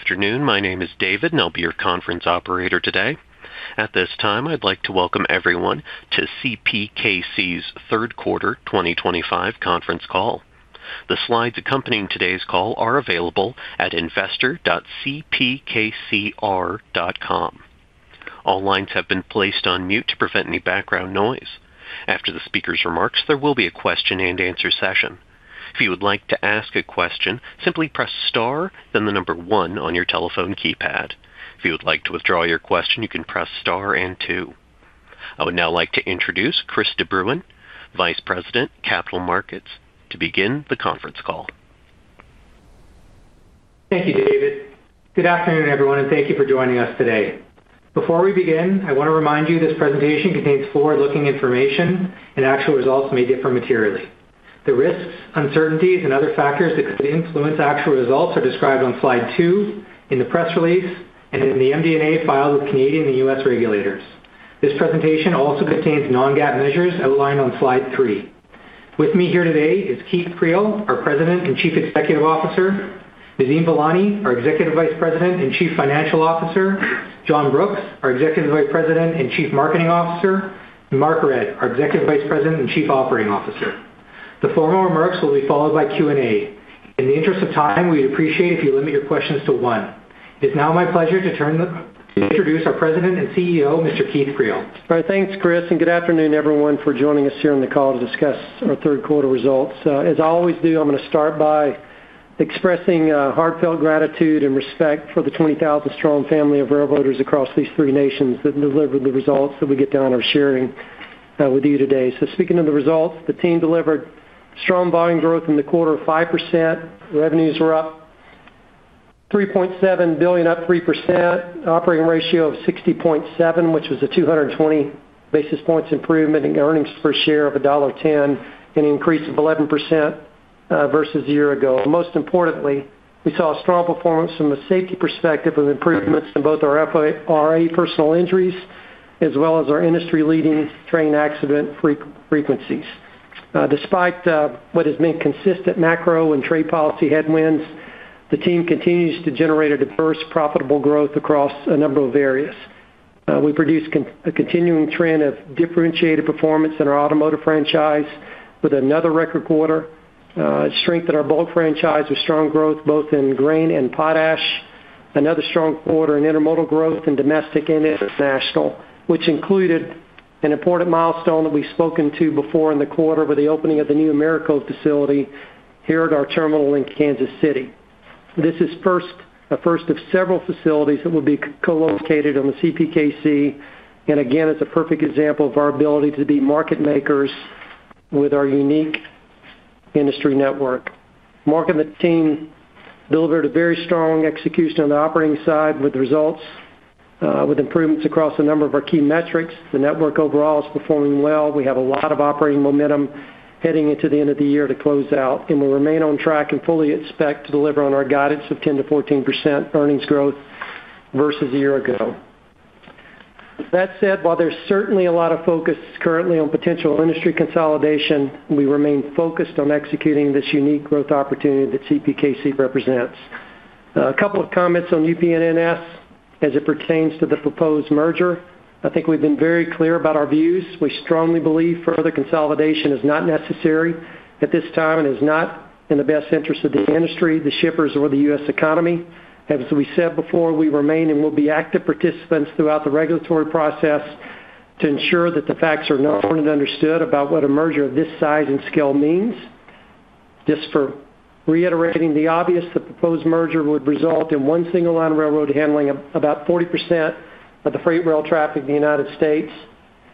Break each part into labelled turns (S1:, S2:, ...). S1: Afternoon. My name is David, and I'll be your conference operator today. At this time, I'd like to welcome everyone to CPKC's third quarter 2025 conference call. The slides accompanying today's call are available at investor.cpkcr.com. All lines have been placed on mute to prevent any background noise. After the speaker's remarks, there will be a question and answer session. If you would like to ask a question, simply press star, then the number one on your telephone keypad. If you would like to withdraw your question, you can press star and two. I would now like to introduce Chris de Bruyn, Vice President, Capital Markets, to begin the conference call.
S2: Thank you, David. Good afternoon, everyone, and thank you for joining us today. Before we begin, I want to remind you this presentation contains forward-looking information, and actual results may differ materially. The risks, uncertainties, and other factors that could influence actual results are described on slide two in the press release and in the MD&A filed with Canadian and U.S. regulators. This presentation also contains non-GAAP measures outlined on slide three. With me here today is Keith Creel, our President and Chief Executive Officer, Nadeem Velani, our Executive Vice President and Chief Financial Officer, John Brooks, our Executive Vice President and Chief Marketing Officer, and Mark Redd, our Executive Vice President and Chief Operating Officer. The formal remarks will be followed by Q&A. In the interest of time, we'd appreciate it if you limit your questions to one. It is now my pleasure to introduce our President and CEO, Mr. Keith Creel.
S3: Thanks, Chris, and good afternoon, everyone, for joining us here on the call to discuss our third quarter results. As I always do, I'm going to start by expressing heartfelt gratitude and respect for the 20,000-strong family of railroaders across these three nations that delivered the results that we get to honor sharing with you today. Speaking of the results, the team delivered strong volume growth in the quarter of 5%. Revenues were up 3.7 billion, up 3%. Operating ratio of 60.7, which was a 220 basis points improvement, and earnings per share of dollar 1.10, an increase of 11% versus a year ago. Most importantly, we saw a strong performance from a safety perspective with improvements in both our FRA personal injuries as well as our industry-leading train accident frequencies. Despite what has been consistent macro and trade policy headwinds, the team continues to generate a diverse, profitable growth across a number of areas. We produce a continuing trend of differentiated performance in our automotive franchise with another record quarter. It strengthened our bulk franchise with strong growth both in grain and potash. Another strong quarter in intermodal growth in domestic and international, which included an important milestone that we've spoken to before in the quarter with the opening of the new Americold facility here at our terminal in Kansas City. This is a first of several facilities that will be co-located on the CPKC, and again, it's a perfect example of our ability to be market makers with our unique industry network. Mark and the team delivered a very strong execution on the operating side with results, with improvements across a number of our key metrics. The network overall is performing well. We have a lot of operating momentum heading into the end of the year to close out, and we remain on track and fully expect to deliver on our guidance of 10%-14% earnings growth versus a year ago. That said, while there's certainly a lot of focus currently on potential industry consolidation, we remain focused on executing this unique growth opportunity that CPKC represents. A couple of comments on UP and NS as it pertains to the proposed merger. I think we've been very clear about our views. We strongly believe further consolidation is not necessary at this time and is not in the best interest of the industry, the shippers, or the U.S. economy. As we said before, we remain and will be active participants throughout the regulatory process to ensure that the facts are known and understood about what a merger of this size and scale means. Just for reiterating the obvious, the proposed merger would result in one single line railroad handling about 40% of the freight rail traffic in the United States.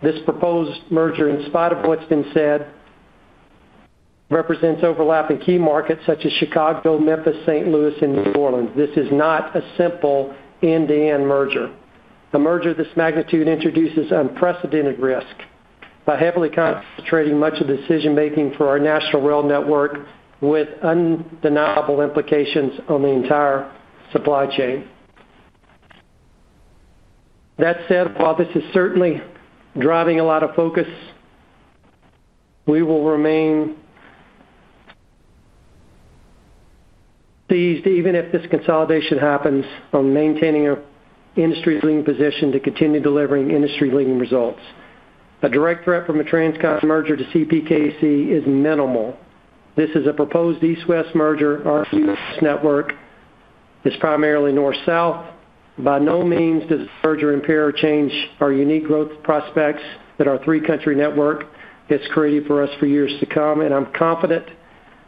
S3: This proposed merger, in spite of what's been said, represents overlapping key markets such as Chicago, Memphis, St. Louis, and New Orleans. This is not a simple end-to-end merger. A merger of this magnitude introduces unprecedented risk by heavily concentrating much of the decision-making for our national rail network with undeniable implications on the entire supply chain. That said, while this is certainly driving a lot of focus, we will remain seized, even if this consolidation happens, on maintaining our industry-leading position to continue delivering industry-leading results. A direct threat from a transcontinental merger to CPKC is minimal. This is a proposed east-west merger. Our east-west network is primarily north-south. By no means does this merger impair or change our unique growth prospects that our three-country network has created for us for years to come. I'm confident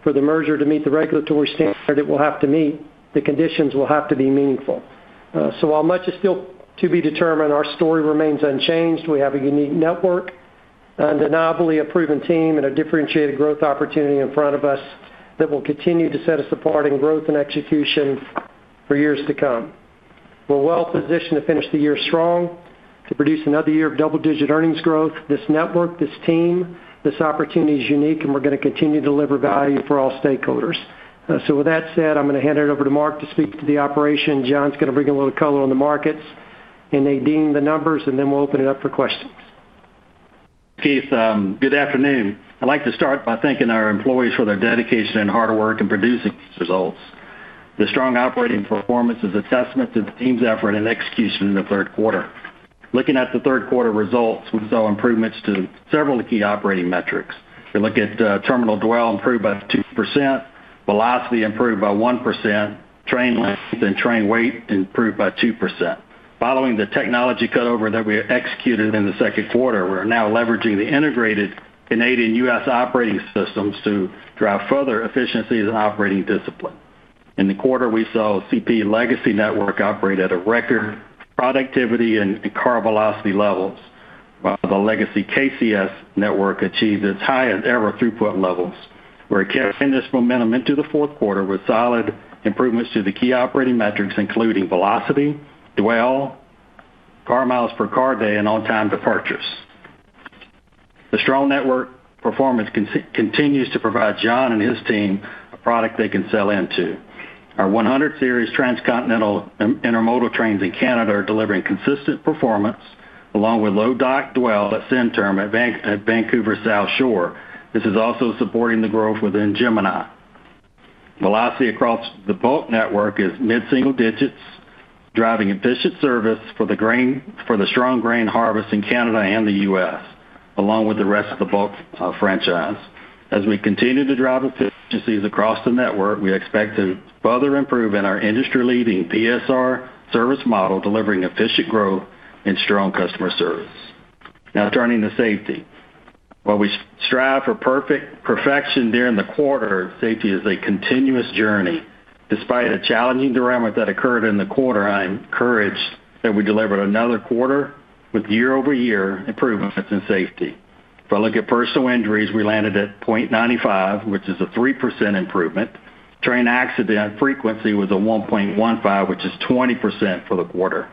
S3: for the merger to meet the regulatory standard it will have to meet. The conditions will have to be meaningful. While much is still to be determined, our story remains unchanged. We have a unique network, undeniably a proven team, and a differentiated growth opportunity in front of us that will continue to set us apart in growth and execution for years to come. We're well-positioned to finish the year strong, to produce another year of double-digit earnings growth. This network, this team, this opportunity is unique, and we're going to continue to deliver value for all stakeholders. With that said, I'm going to hand it over to Mark to speak to the operation. John's going to bring a little color on the markets and Nadeem the numbers, and then we'll open it up for questions.
S4: Keith, good afternoon. I'd like to start by thanking our employees for their dedication and hard work in producing these results. The strong operating performance is a testament to the team's effort and execution in the third quarter. Looking at the third quarter results, we saw improvements to several key operating metrics. If you look at terminal dwell, improved by 2%. Velocity improved by 1%. Train length and train weight improved by 2%. Following the technology cutover that we executed in the second quarter, we're now leveraging the integrated Canadian-U.S. operating systems to drive further efficiencies in operating discipline. In the quarter, we saw CP Legacy Network operate at a record productivity and car velocity levels, while the Legacy KCS Network achieved its highest ever throughput levels. We're carrying this momentum into the fourth quarter with solid improvements to the key operating metrics, including velocity, dwell, car miles per car day, and on-time departures. The strong network performance continues to provide John and his team a product they can sell into. Our 100 series transcontinental intermodal trains in Canada are delivering consistent performance along with low dock dwell at Centurum at Vancouver South Shore. This is also supporting the growth within Gemini. Velocity across the bulk network is mid-single digits, driving efficient service for the strong grain harvest in Canada and the U.S., along with the rest of the bulk franchise. As we continue to drive efficiencies across the network, we expect to further improve in our industry-leading PSR service model, delivering efficient growth and strong customer service. Now, turning to safety. While we strive for perfection during the quarter, safety is a continuous journey. Despite a challenging derailment that occurred in the quarter, I am encouraged that we delivered another quarter with year-over-year improvements in safety. If I look at personal injuries, we landed at 0.95, which is a 3% improvement. Train accident frequency was a 1.15, which is 20% for the quarter.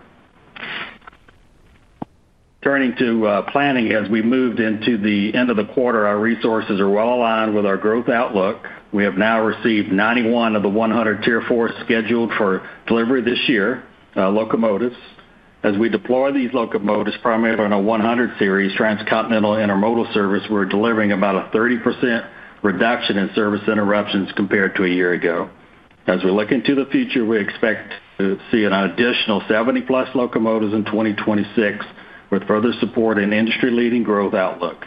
S4: Turning to planning, as we moved into the end of the quarter, our resources are well aligned with our growth outlook. We have now received 91 of the 100 Tier 4 scheduled for delivery this year, locomotives. As we deploy these locomotives, primarily on a 100 series transcontinental intermodal service, we're delivering about a 30% reduction in service interruptions compared to a year ago. As we look into the future, we expect to see an additional 70+ locomotives in 2026 with further support and industry-leading growth outlook.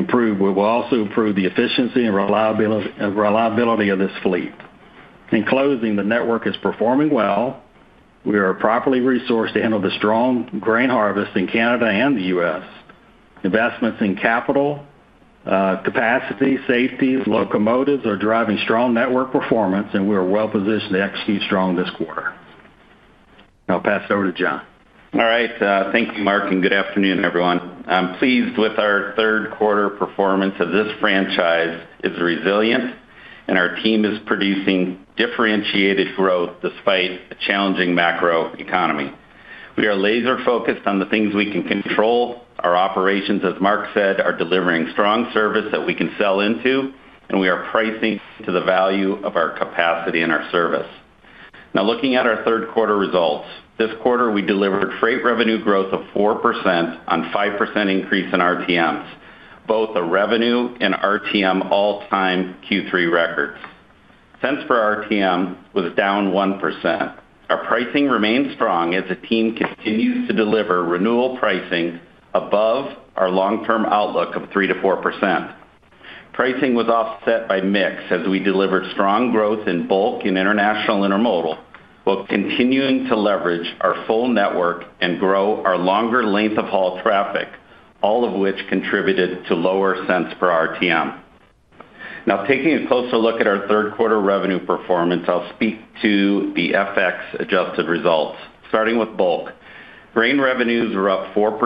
S4: We will also improve the efficiency and reliability of this fleet. In closing, the network is performing well. We are properly resourced to handle the strong grain harvest in Canada and the U.S. Investments in capital, capacity, safety, and locomotives are driving strong network performance, and we are well-positioned to execute strong this quarter. I'll pass it over to John.
S5: All right. Thank you, Mark, and good afternoon, everyone. I'm pleased with our third quarter performance as this franchise is resilient, and our team is producing differentiated growth despite a challenging macroeconomy. We are laser-focused on the things we can control. Our operations, as Mark said, are delivering strong service that we can sell into, and we are pricing into the value of our capacity and our service. Now, looking at our third quarter results, this quarter we delivered freight revenue growth of 4% on a 5% increase in RTMs, both a revenue and RTM all-time Q3 records. Cents per RTM was down 1%. Our pricing remains strong as the team continues to deliver renewal pricing above our long-term outlook of 3%-4%. Pricing was offset by mix as we delivered strong growth in bulk and international intermodal, while continuing to leverage our full network and grow our longer length of haul traffic, all of which contributed to lower cents per RTM. Now, taking a closer look at our third quarter revenue performance, I'll speak to the FX adjusted results. Starting with Bulk, grain revenues were up 4%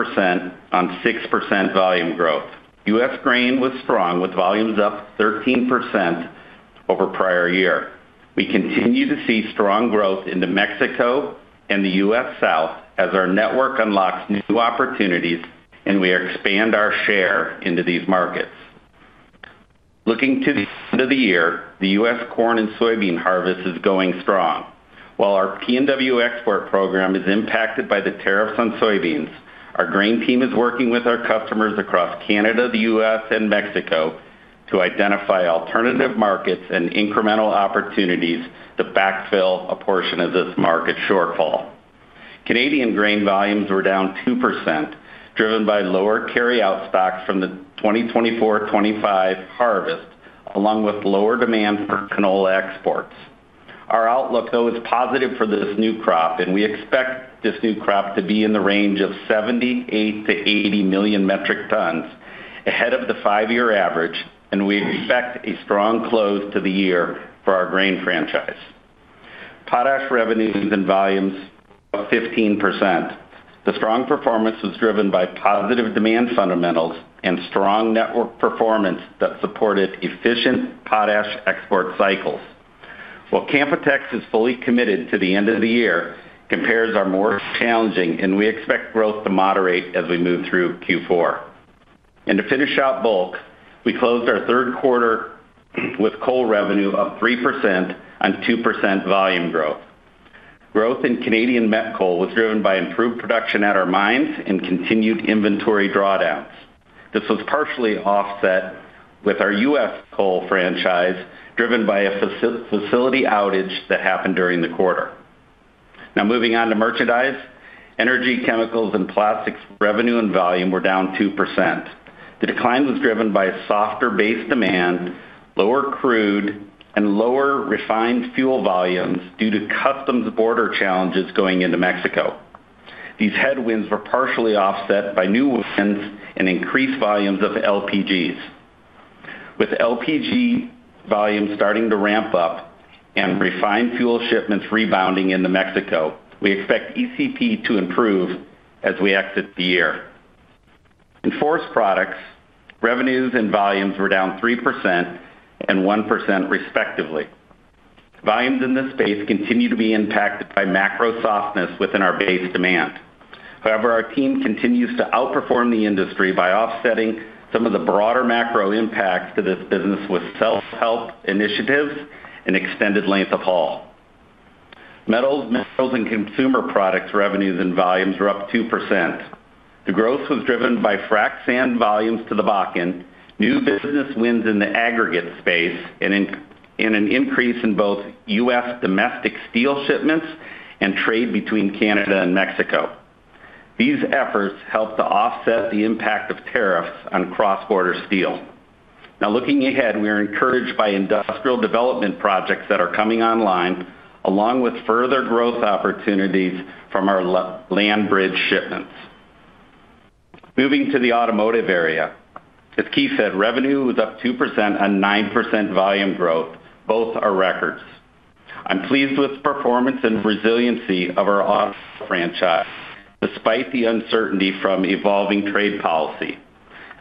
S5: on 6% volume growth. U.S. grain was strong with volumes up 13% over prior year. We continue to see strong growth into Mexico and the U.S. South as our network unlocks new opportunities, and we expand our share into these markets. Looking to the end of the year, the U.S. corn and soybean harvest is going strong. While our PNW export program is impacted by the tariffs on soybeans, our grain team is working with our customers across Canada, the U.S., and Mexico to identify alternative markets and incremental opportunities to backfill a portion of this market shortfall. Canadian grain volumes were down 2%, driven by lower carryout stocks from the 2024-2025 harvest, along with lower demand for canola exports. Our outlook, though, is positive for this new crop, and we expect this new crop to be in the range of 78 million-80 million metric tons ahead of the five-year average, and we expect a strong close to the year for our grain franchise. Potash revenues and volumes are up 15%. The strong performance was driven by positive demand fundamentals and strong network performance that supported efficient potash export cycles. While Canpotex is fully committed to the end of the year, compares are more challenging, and we expect growth to moderate as we move through Q4. To finish out bulk, we closed our third quarter with coal revenue up 3% on 2% volume growth. Growth in Canadian met coal was driven by improved production at our mines and continued inventory drawdowns. This was partially offset with our U.S. coal franchise driven by a facility outage that happened during the quarter. Now, moving on to merchandise, energy, chemicals, and plastics revenue and volume were down 2%. The decline was driven by a softer base demand, lower crude, and lower refined fuel volumes due to customs border challenges going into Mexico. These headwinds were partially offset by new wins and increased volumes of LPGs. With LPG volumes starting to ramp up and refined fuel shipments rebounding into Mexico, we expect ECP to improve as we exit the year. In forest products, revenues and volumes were down 3% and 1% respectively. Volumes in this space continue to be impacted by macro softness within our base demand. However, our team continues to outperform the industry by offsetting some of the broader macro impacts to this business with self-help initiatives and extended length of haul. Metals and consumer products revenues and volumes were up 2%. The growth was driven by frac sand volumes to the black end, new business wins in the aggregate space, and an increase in both U.S. domestic steel shipments and trade between Canada and Mexico. These efforts help to offset the impact of tariffs on cross-border steel. Now, looking ahead, we are encouraged by industrial development projects that are coming online, along with further growth opportunities from our land bridge shipments. Moving to the automotive area, as Keith said, revenue was up 2% on 9% volume growth, both are records. I'm pleased with the performance and resiliency of our auto franchise, despite the uncertainty from evolving trade policy.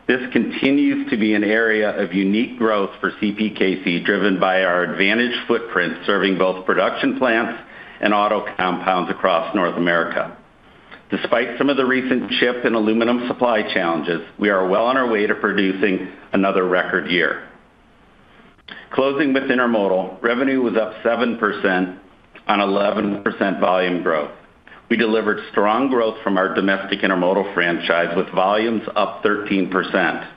S5: This continues to be an area of unique growth for CPKC, driven by our advantage footprint serving both production plants and auto compounds across North America. Despite some of the recent chip and aluminum supply challenges, we are well on our way to producing another record year. Closing with intermodal, revenue was up 7% on 11% volume growth. We delivered strong growth from our domestic intermodal franchise with volumes up 13%.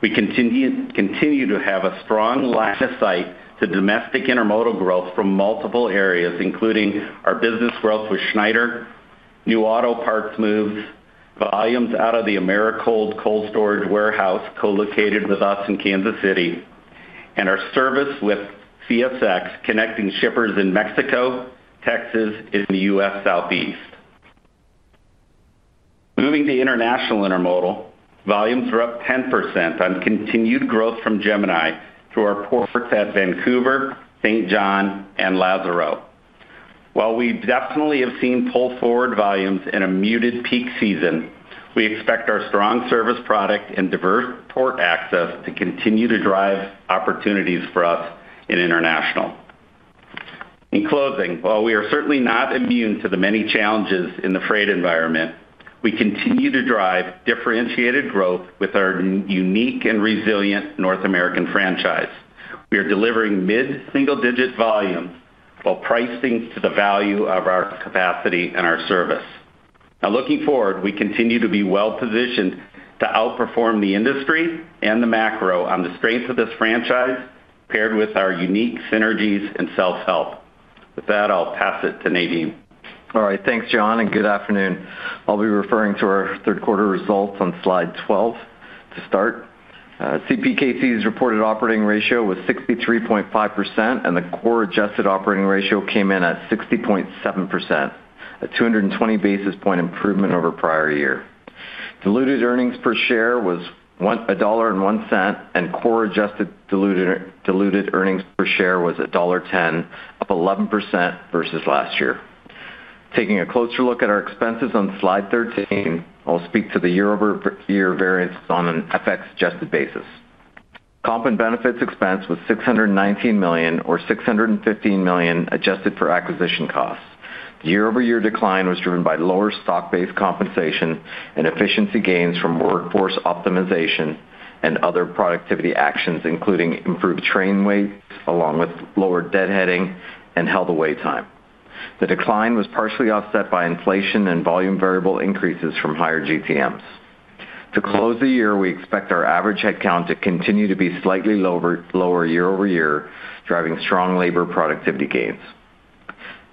S5: We continue to have a strong line of sight to domestic intermodal growth from multiple areas, including our business growth with Schneider, new auto parts moves, volumes out of the Americold cold storage warehouse co-located with us in Kansas City, and our service with CSX connecting shippers in Mexico, Texas, and the U.S. Southeast. Moving to international intermodal, volumes were up 10% on continued growth from Gemini through our ports at Vancouver, St. John, and Lazaro. While we definitely have seen pull forward volumes in a muted peak season, we expect our strong service product and diverse port access to continue to drive opportunities for us in international. In closing, while we are certainly not immune to the many challenges in the freight environment, we continue to drive differentiated growth with our unique and resilient North American franchise. We are delivering mid-single-digit volumes while pricing to the value of our capacity and our service. Now, looking forward, we continue to be well-positioned to outperform the industry and the macro on the strength of this franchise paired with our unique synergies and self-help. With that, I'll pass it to Nadeem.
S6: All right. Thanks, John, and good afternoon. I'll be referring to our third quarter results on slide 12 to start. CPKC's reported operating ratio was 63.5%, and the core adjusted operating ratio came in at 60.7%, a 220 basis point improvement over prior year. Diluted earnings per share was 1.01 dollar, and core adjusted diluted earnings per share was 1.10 dollar, up 11% versus last year. Taking a closer look at our expenses on slide 13, I'll speak to the year-over-year variances on an FX adjusted basis. Comp and benefits expense was 619 million or 615 million adjusted for acquisition costs. The year-over-year decline was driven by lower stock-based compensation and efficiency gains from workforce optimization and other productivity actions, including improved train weight along with lower deadheading and held away time. The decline was partially offset by inflation and volume variable increases from higher GTMs. To close the year, we expect our average headcount to continue to be slightly lower year over year, driving strong labor productivity gains.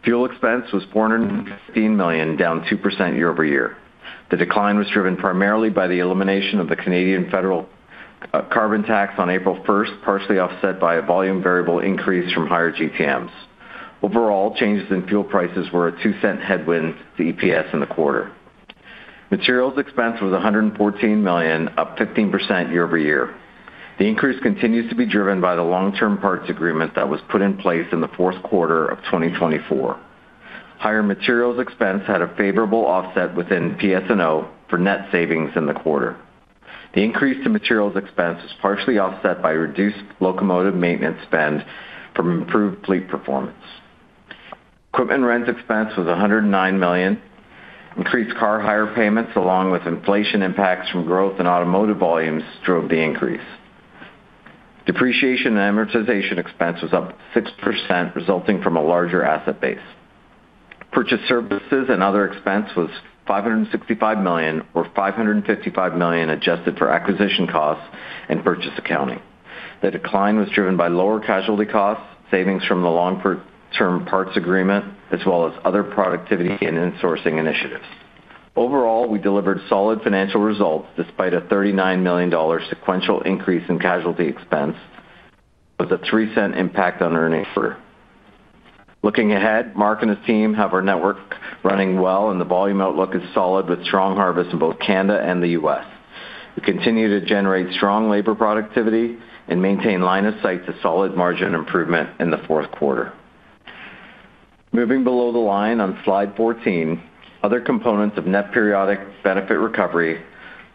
S6: Fuel expense was 415 million, down 2% year over year. The decline was driven primarily by the elimination of the Canadian federal carbon tax on April 1, partially offset by a volume variable increase from higher GTMs. Overall, changes in fuel prices were a 0.02 headwind to EPS in the quarter. Materials expense was 114 million, up 15% year over year. The increase continues to be driven by the long-term parts agreement that was put in place in the fourth quarter of 2024. Higher materials expense had a favorable offset within PS&O for net savings in the quarter. The increase to materials expense was partially offset by reduced locomotive maintenance spend from improved fleet performance. Equipment rents expense was 109 million. Increased car hire payments, along with inflation impacts from growth in automotive volumes, drove the increase. Depreciation and amortization expense was up 6%, resulting from a larger asset base. Purchase services and other expense was 565 million or 555 million adjusted for acquisition costs and purchase accounting. The decline was driven by lower casualty costs, savings from the long-term parts agreement, as well as other productivity and insourcing initiatives. Overall, we delivered solid financial results despite a 39 million dollar sequential increase in casualty expense with a 0.03 impact on earnings per. Looking ahead, Mark and his team have our network running well, and the volume outlook is solid with strong harvest in both Canada and the U.S. We continue to generate strong labor productivity and maintain line of sight to solid margin improvement in the fourth quarter. Moving below the line on slide 14, other components of net periodic benefit recovery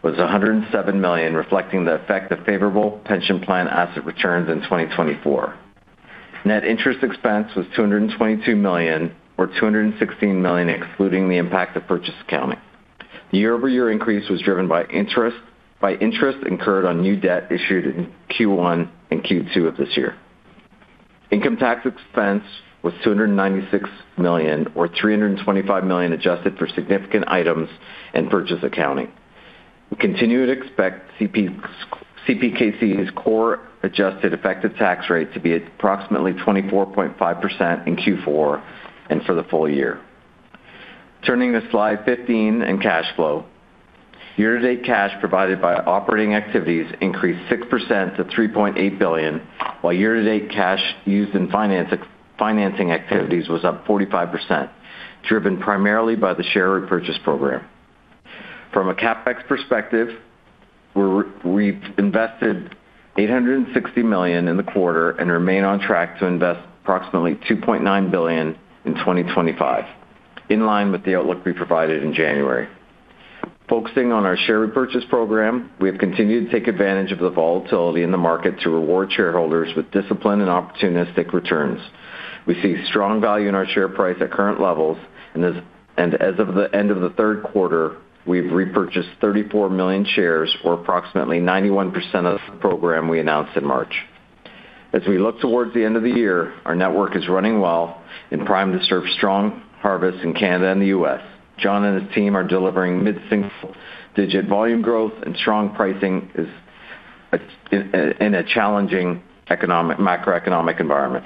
S6: was 107 million, reflecting the effect of favorable pension plan asset returns in 2024. Net interest expense was 222 million or 216 million, excluding the impact of purchase accounting. The year-over-year increase was driven by interest incurred on new debt issued in Q1 and Q2 of this year. Income tax expense was 296 million or 325 million adjusted for significant items and purchase accounting. We continue to expect CPKC's core adjusted effective tax rate to be approximately 24.5% in Q4 and for the full year. Turning to slide 15 and cash flow, year-to-date cash provided by operating activities increased 6% to 3.8 billion, while year-to-date cash used in financing activities was up 45%, driven primarily by the share repurchase program. From a CapEx perspective, we've invested 860 million in the quarter and remain on track to invest approximately 2.9 billion in 2025, in line with the outlook we provided in January. Focusing on our share repurchase program, we have continued to take advantage of the volatility in the market to reward shareholders with discipline and opportunistic returns. We see strong value in our share price at current levels, and as of the end of the third quarter, we've repurchased 34 million shares, or approximately 91% of the program we announced in March. As we look towards the end of the year, our network is running well and primed to serve strong harvests in Canada and the U.S. John and his team are delivering mid-single-digit volume growth, and strong pricing is in a challenging macroeconomic environment.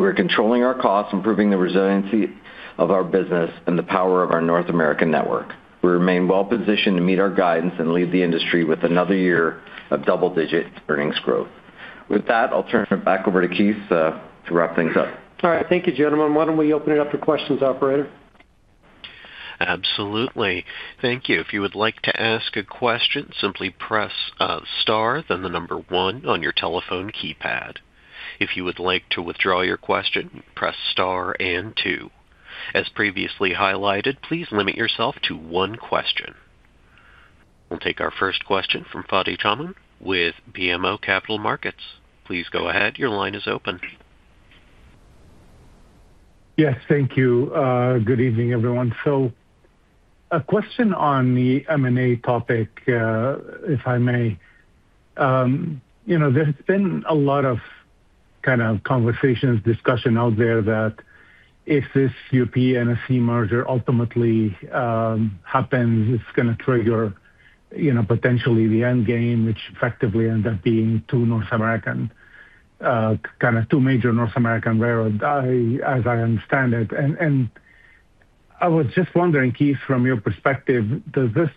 S6: We're controlling our costs, improving the resiliency of our business, and the power of our North American network. We remain well-positioned to meet our guidance and lead the industry with another year of double-digit earnings growth. With that, I'll turn it back over to Keith to wrap things up.
S3: All right. Thank you, gentlemen. Why don't we open it up for questions, operator?
S1: Absolutely. Thank you. If you would like to ask a question, simply press star then the number one on your telephone keypad. If you would like to withdraw your question, press star and two. As previously highlighted, please limit yourself to one question. We'll take our first question from Fadi Chamoun with BMO Capital Markets. Please go ahead. Your line is open.
S7: Yes, thank you. Good evening, everyone. A question on the M&A topic, if I may. There's been a lot of kind of conversations, discussion out there that if this UP-NS merger ultimately happens, it's going to trigger, you know, potentially the end game, which effectively ends up being two North American, kind of two major North American railroads, as I understand it. I was just wondering, Keith, from your perspective, does this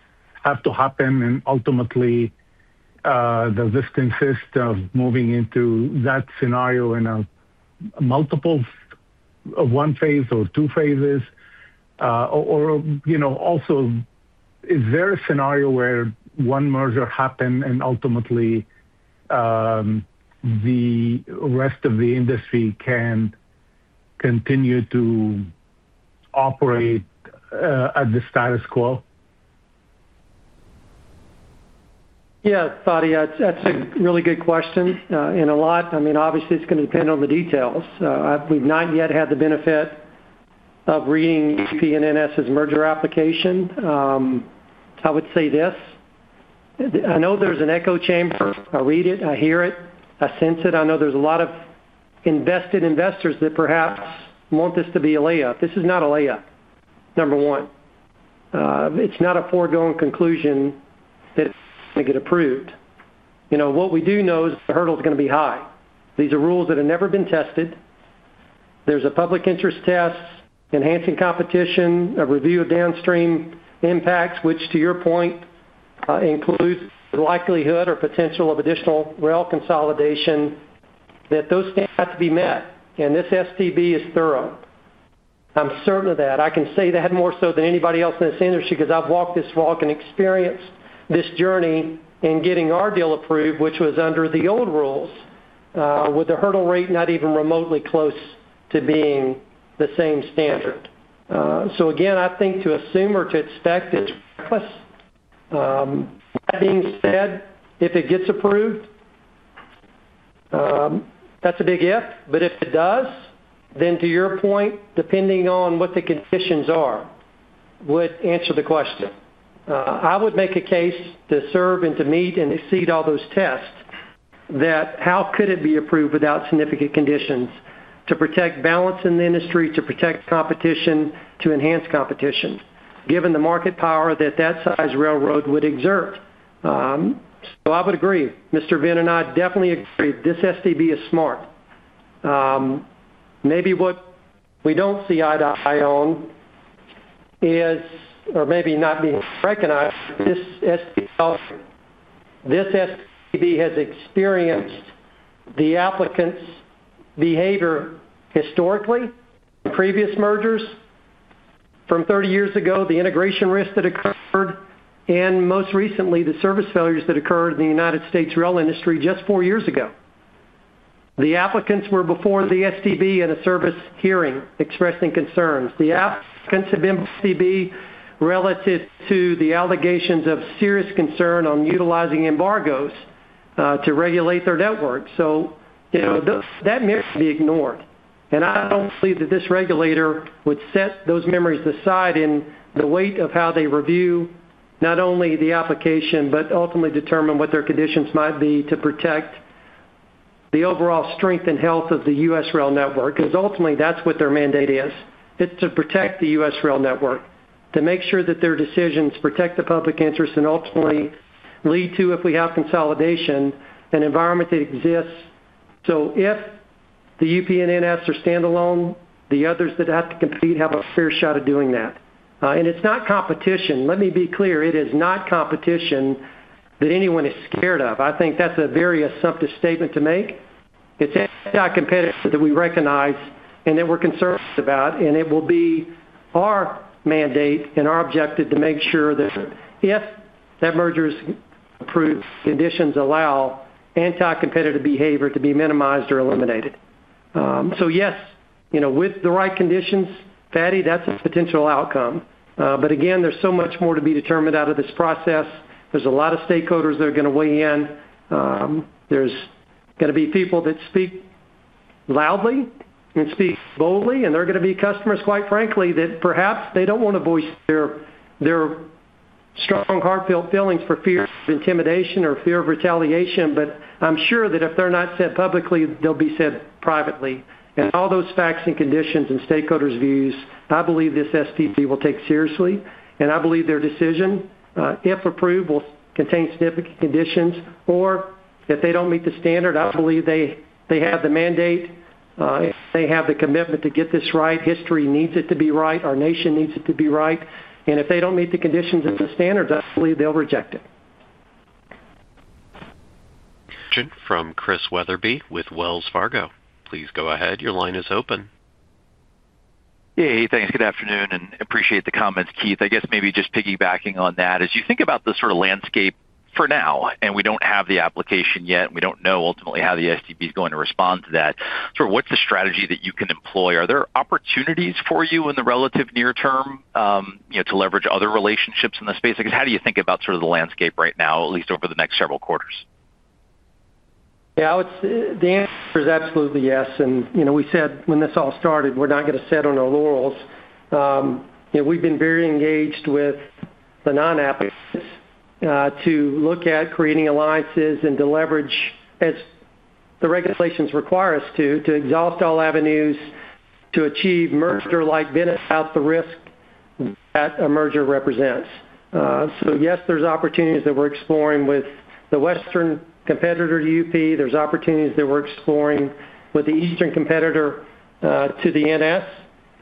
S7: have to happen and ultimately, does this consist of moving into that scenario in a multiple of one phase or two phases? Also, is there a scenario where one merger happened and ultimately the rest of the industry can continue to operate at the status quo?
S3: Yeah, Fadi, that's a really good question and a lot. I mean, obviously, it's going to depend on the details. We've not yet had the benefit of reading UP and NS's merger application. I would say this. I know there's an echo chamber. I read it. I hear it. I sense it. I know there's a lot of invested investors that perhaps want this to be a layup. This is not a layup, number one. It's not a foregone conclusion that's going to get approved. You know, what we do know is the hurdle is going to be high. These are rules that have never been tested. There's a public interest test, enhancing competition, a review of downstream impacts, which to your point, includes the likelihood or potential of additional rail consolidation that those standards have to be met. This STB is thorough. I'm certain of that. I can say that more so than anybody else in this industry because I've walked this walk and experienced this journey in getting our deal approved, which was under the old rules, with the hurdle rate not even remotely close to being the same standard. I think to assume or to expect is reckless. That being said, if it gets approved, that's a big if. If it does, then to your point, depending on what the conditions are, would answer the question. I would make a case to serve and to meet and exceed all those tests that how could it be approved without significant conditions to protect balance in the industry, to protect competition, to enhance competition, given the market power that that size railroad would exert. I would agree. Mr. Velani and I definitely agree this STB is smart. Maybe what we don't see eye to eye on is, or maybe not being recognized, this STB has experienced the applicant's behavior historically in previous mergers from 30 years ago, the integration risk that occurred, and most recently, the service failures that occurred in the U.S. rail industry just four years ago. The applicants were before the STB in a service hearing expressing concerns. The applicants have been before the STB relative to the allegations of serious concern on utilizing embargoes to regulate their network. That may be ignored. I don't believe that this regulator would set those memories aside in the weight of how they review not only the application but ultimately determine what their conditions might be to protect the overall strength and health of the U.S. rail network, because ultimately, that's what their mandate is. It's to protect the U.S. rail network, to make sure that their decisions protect the public interest and ultimately lead to, if we have consolidation, an environment that exists. If the UP and NS are standalone, the others that have to compete have a fair shot at doing that. It's not competition. Let me be clear. It is not competition that anyone is scared of. I think that's a very assumptive statement to make. It's anti-competitive that we recognize and that we're concerned about, and it will be our mandate and our objective to make sure that if that merger is approved, conditions allow anti-competitive behavior to be minimized or eliminated. Yes, you know, with the right conditions, Fadi, that's a potential outcome. Again, there's so much more to be determined out of this process. There's a lot of stakeholders that are going to weigh in. There are going to be people that speak loudly and speak boldly, and there are going to be customers, quite frankly, that perhaps they don't want to voice their strong heartfelt feelings for fear of intimidation or fear of retaliation. I'm sure that if they're not said publicly, they'll be said privately. All those facts and conditions and stakeholders' views, I believe this STB will take seriously, and I believe their decision, if approved, will contain significant conditions. If they don't meet the standard, I believe they have the mandate. They have the commitment to get this right. History needs it to be right. Our nation needs it to be right. If they don't meet the conditions and the standards, I believe they'll reject it.
S1: Question from Chris Wetherbee with Wells Fargo. Please go ahead. Your line is open.
S8: Yeah, hey, thanks. Good afternoon, and I appreciate the comments, Keith. I guess maybe just piggybacking on that, as you think about the sort of landscape for now, we don't have the application yet, and we don't know ultimately how the STB is going to respond to that. What's the strategy that you can employ? Are there opportunities for you in the relative near term to leverage other relationships in the space? How do you think about sort of the landscape right now, at least over the next several quarters?
S3: Yeah, I would say the answer is absolutely yes. You know, we said when this all started, we're not going to sit on our laurels. We've been very engaged with the non-applicants to look at creating alliances and to leverage, as the regulations require us to, to exhaust all avenues to achieve merger-like benefits without the risk that a merger represents. Yes, there's opportunities that we're exploring with the Western competitor to UP. There's opportunities that we're exploring with the Eastern competitor, to NS.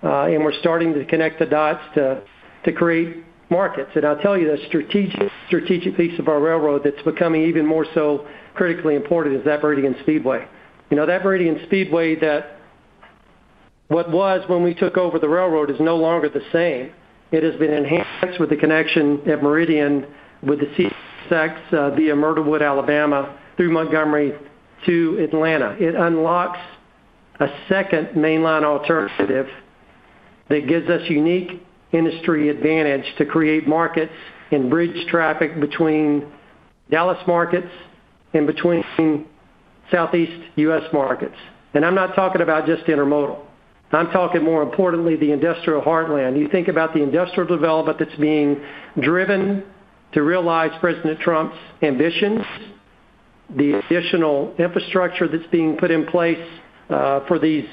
S3: We're starting to connect the dots to create markets. I'll tell you, the strategic piece of our railroad that's becoming even more so critically important is that Meridian Speedway. You know, that Meridian Speedway that what was when we took over the railroad is no longer the same. It has been enhanced with the connection at Meridian with CSX via Myrtlewood, Alabama, through Montgomery to Atlanta. It unlocks a second mainline alternative that gives us unique industry advantage to create markets and bridge traffic between Dallas markets and between Southeast U.S. markets. I'm not talking about just intermodal. I'm talking, more importantly, the industrial heartland. You think about the industrial development that's being driven to realize President Trump's ambitions, the additional infrastructure that's being put in place for these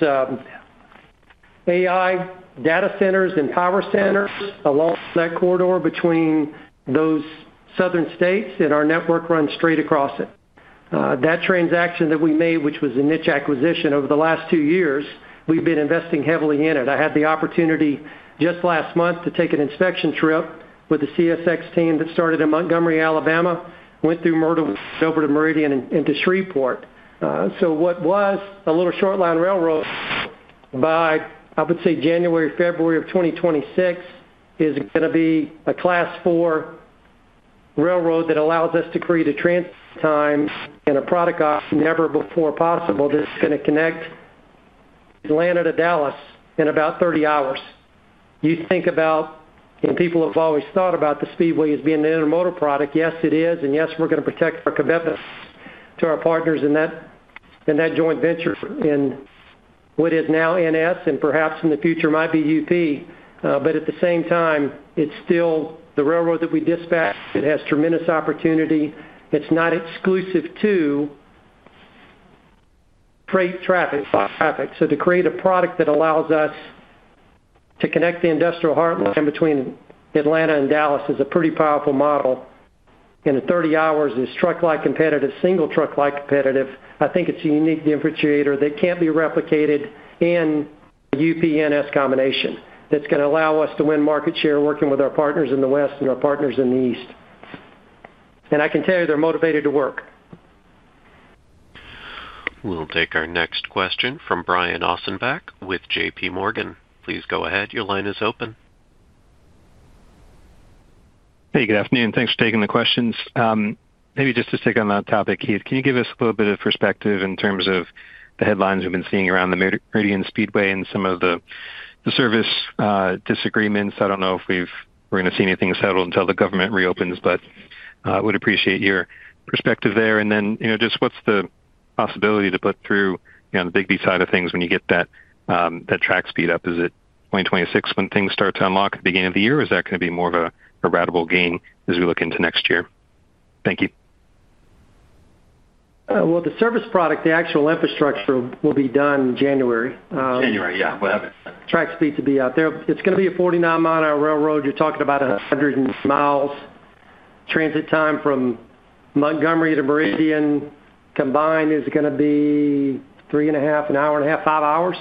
S3: AI data centers and power centers along that corridor between those southern states, and our network runs straight across it. That transaction that we made, which was a niche acquisition over the last two years, we've been investing heavily in it. I had the opportunity just last month to take an inspection trip with the CSX team that started in Montgomery, Alabama, went through Myrtlewood, over to Meridian, and to Shreveport. What was a little short-line railroad by, I would say, January, February of 2026 is going to be a class four railroad that allows us to create a transit time and a product option never before possible that's going to connect Atlanta to Dallas in about 30 hours. You think about, and people have always thought about the Speedway as being an intermodal product. Yes, it is. Yes, we're going to protect our commitments to our partners in that joint venture in what is now NS and perhaps in the future might be UP. At the same time, it's still the railroad that we dispatch. It has tremendous opportunity. It's not exclusive to freight traffic. To create a product that allows us to connect the industrial heartland between Atlanta and Dallas is a pretty powerful model. At 30 hours, it's truck-like competitive, single truck-like competitive. I think it's a unique differentiator that can't be replicated in a UPNS combination that's going to allow us to win market share working with our partners in the West and our partners in the East. I can tell you they're motivated to work.
S1: We'll take our next question from Brian Offenbach with JPMMorgan. Please go ahead. Your line is open.
S9: Hey, good afternoon. Thanks for taking the questions. Maybe just to stick on that topic, Keith, can you give us a little bit of perspective in terms of the headlines we've been seeing around the Meridian Speedway and some of the service disagreements? I don't know if we're going to see anything settled until the government reopens, but I would appreciate your perspective there. You know, just what's the possibility to put through the Big B side of things when you get that track speed up? Is it 2026 when things start to unlock at the beginning of the year, or is that going to be more of a radical gain as we look into next year? Thank you.
S3: The service product, the actual infrastructure, will be done in January.
S6: January, yeah. We'll have it.
S3: Track speed to be out there. It's going to be a 49-mile-an-hour railroad. You're talking about 100 miles transit time from Montgomery to Meridian combined is going to be three and a half, an hour and a half, five hours.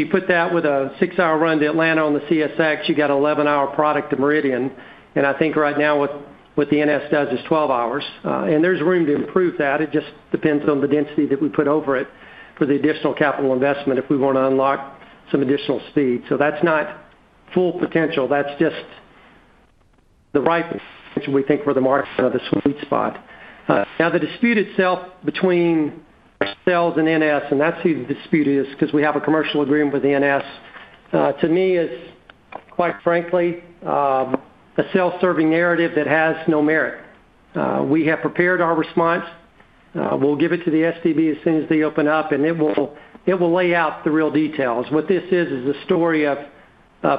S3: You put that with a six-hour run to Atlanta on the CSX, you got an 11-hour product to Meridian. I think right now what the NS does is 12 hours. There's room to improve that. It just depends on the density that we put over it for the additional capital investment if we want to unlock some additional speed. That's not full potential. That's just the ripe potential we think for the market, the sweet spot. Now, the dispute itself between ourselves and NS, and that's who the dispute is because we have a commercial agreement with the NS, to me, is quite frankly a self-serving narrative that has no merit. We have prepared our response. We'll give it to the STB as soon as they open up, and it will lay out the real details. What this is, is a story of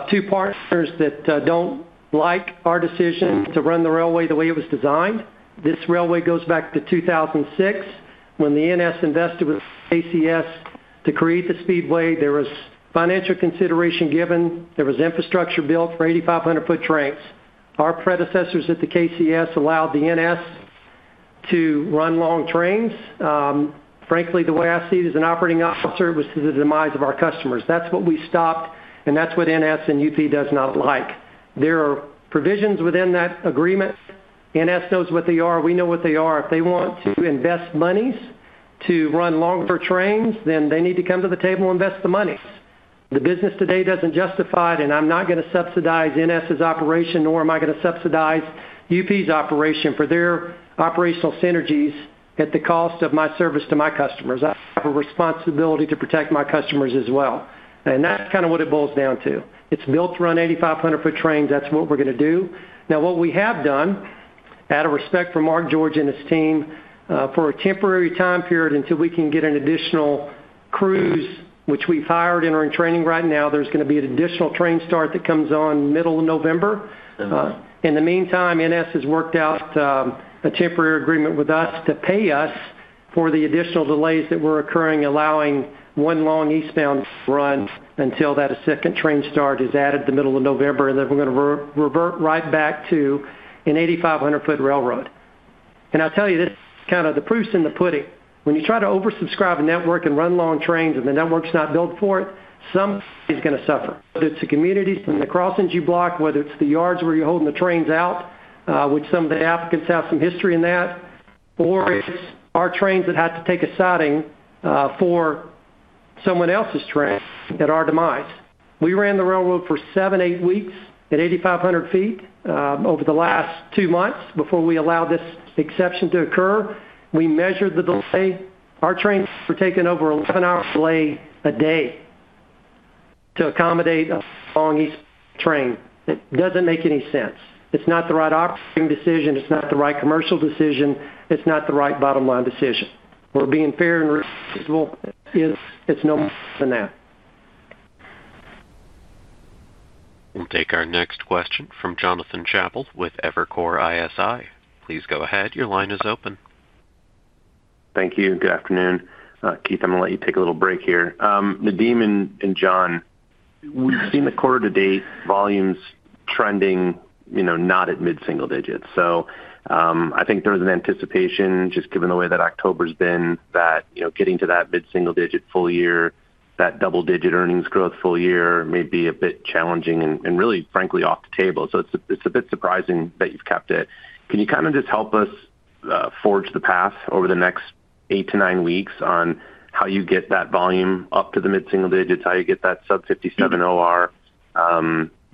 S3: two partners that don't like our decision to run the railway the way it was designed. This railway goes back to 2006 when the NS invested with KCS to create the Speedway. There was financial consideration given. There was infrastructure built for 8,500-foot trains. Our predecessors at the KCS allowed the NS to run long trains. Frankly, the way I see it as an operating officer, it was to the demise of our customers. That's what we stopped, and that's what NS and UP does not like. There are provisions within that agreement. NS knows what they are. We know what they are. If they want to invest monies to run longer trains, then they need to come to the table and invest the monies. The business today doesn't justify it, and I'm not going to subsidize NS's operation, nor am I going to subsidize UP's operation for their operational synergies at the cost of my service to my customers. I have a responsibility to protect my customers as well. That's kind of what it boils down to. It's built to run 8,500-foot trains. That's what we're going to do. Now, what we have done, out of respect for Mark George and his team, for a temporary time period until we can get an additional crew, which we've hired and are in training right now, there's going to be an additional train start that comes on middle of November. In the meantime, NS has worked out a temporary agreement with us to pay us for the additional delays that were occurring, allowing one long eastbound run until that second train start is added the middle of November, and then we're going to revert right back to an 8,500-foot railroad. I'll tell you, this is kind of the proof's in the pudding. When you try to oversubscribe a network and run long trains and the network's not built for it, somebody's going to suffer. Whether it's the communities in the cross-engine block, whether it's the yards where you're holding the trains out, which some of the applicants have some history in that, or it's our trains that had to take a siding for someone else's train at our demise. We ran the railroad for seven, eight weeks at 8,500 feet, over the last two months before we allowed this exception to occur. We measured the delay. Our trains were taking over an 11-hour delay a day to accommodate a long eastbound train. It doesn't make any sense. It's not the right operating decision. It's not the right commercial decision. It's not the right bottom-line decision. We're being fair and reasonable. It's no more than that.
S1: We'll take our next question from Jonathan Chappell with Evercore ISI. Please go ahead. Your line is open.
S10: Thank you. Good afternoon. Keith, I'm going to let you take a little break here. Nadeem and John, we've seen the quarter to date volumes trending, you know, not at mid-single digits. I think there was an anticipation, just given the way that October's been, that, you know, getting to that mid-single digit full year, that double-digit earnings growth full year may be a bit challenging and really, frankly, off the table. It's a bit surprising that you've kept it. Can you kind of just help us, forge the path over the next eight to nine weeks on how you get that volume up to the mid-single digits, how you get that sub-57 OR?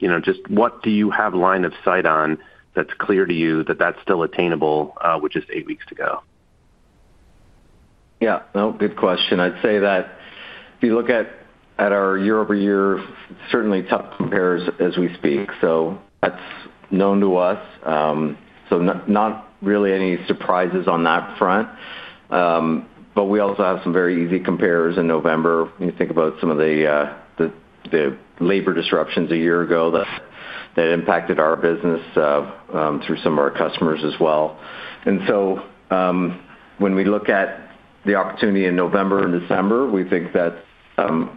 S10: You know, just what do you have line of sight on that's clear to you that that's still attainable, with just eight weeks to go?
S6: Yeah. No, good question. I'd say that if you look at our year-over-year, certainly tough compares as we speak. That's known to us, so not really any surprises on that front. We also have some very easy compares in November. When you think about some of the labor disruptions a year ago that impacted our business, through some of our customers as well. When we look at the opportunity in November and December, we think that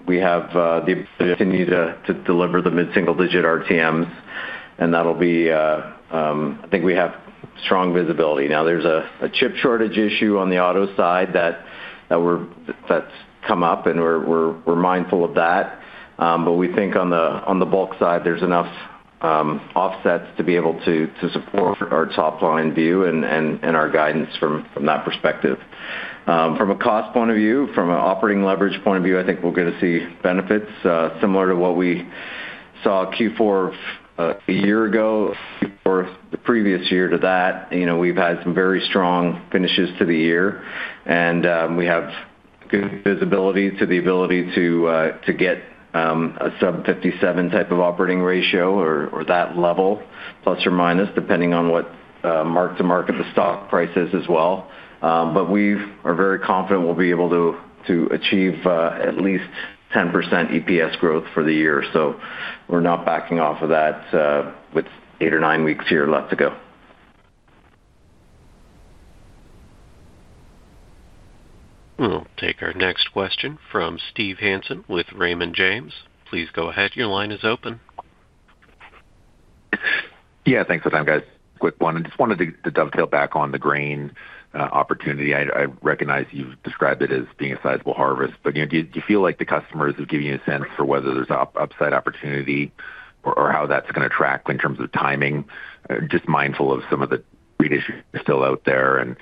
S6: we have the ability to continue to deliver the mid-single digit RTMs, and that'll be, I think we have strong visibility. Now, there's a chip shortage issue on the auto side that's come up, and we're mindful of that. We think on the bulk side, there's enough offsets to be able to support our top-line view and our guidance from that perspective. From a cost point of view, from an operating leverage point of view, I think we're going to see benefits, similar to what we saw Q4 of a year ago. For the previous year to that, you know, we've had some very strong finishes to the year, and we have good visibility to the ability to get a sub-57 type of operating ratio or that level, plus or minus, depending on what mark-to-market the stock price is as well. We are very confident we'll be able to achieve at least 10% EPS growth for the year. We're not backing off of that, with eight or nine weeks here left to go.
S1: We'll take our next question from Steve Hansen with Raymond James. Please go ahead. Your line is open.
S11: Yeah, thanks for the time, guys. Quick one. I just wanted to dovetail back on the grain opportunity. I recognize you've described it as being a sizable harvest, but you know, do you feel like the customers have given you a sense for whether there's upside opportunity or how that's going to track in terms of timing? Just mindful of some of the grain issues still out there and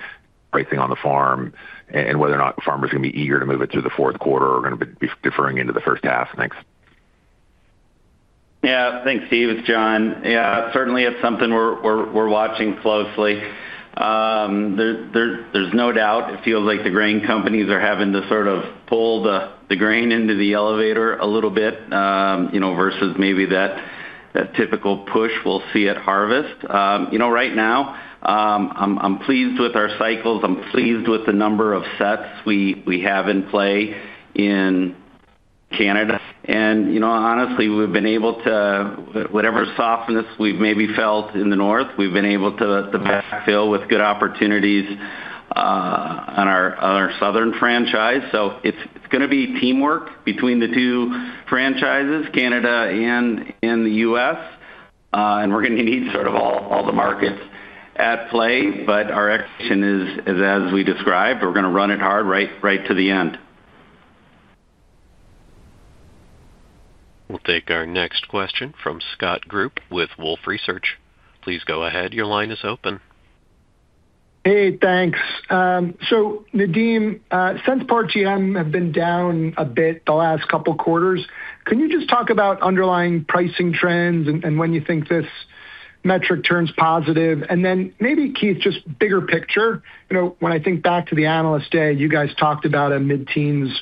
S11: pricing on the farm and whether or not farmers are going to be eager to move it through the fourth quarter or are going to be deferring into the first half next.
S5: Yeah, thanks, Steve. It's John. Yeah, certainly, it's something we're watching closely. There's no doubt it feels like the grain companies are having to sort of pull the grain into the elevator a little bit, you know, versus maybe that typical push we'll see at harvest. Right now, I'm pleased with our cycles. I'm pleased with the number of sets we have in play in Canada. Honestly, we've been able to, whatever softness we've maybe felt in the north, we've been able to backfill with good opportunities on our southern franchise. It's going to be teamwork between the two franchises, Canada and the U.S., and we're going to need sort of all the markets at play, but our expectation is, as we described, we're going to run it hard right to the end.
S1: We'll take our next question from Scott Group with Wolfe Research. Please go ahead. Your line is open.
S12: Hey, thanks. Nadeem, since parts of the M have been down a bit the last couple of quarters, can you just talk about underlying pricing trends and when you think this metric turns positive? Maybe, Keith, just bigger picture. You know, when I think back to the analyst day, you guys talked about a mid-teens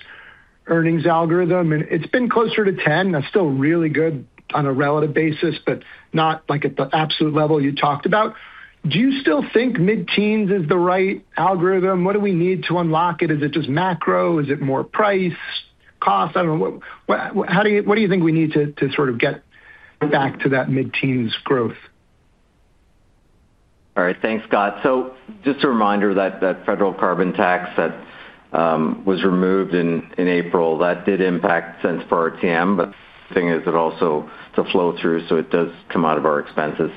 S12: earnings algorithm, and it's been closer to 10%. That's still really good on a relative basis, but not at the absolute level you talked about. Do you still think mid-teens is the right algorithm? What do we need to unlock it? Is it just macro? Is it more price cost? I don't know. What do you think we need to sort of get back to that mid-teens growth?
S6: All right, thanks, Scott. Just a reminder that federal carbon tax that was removed in April did impact CAD 0.01 for RTM, but the thing is it also does flow through, so it does come out of our expenses.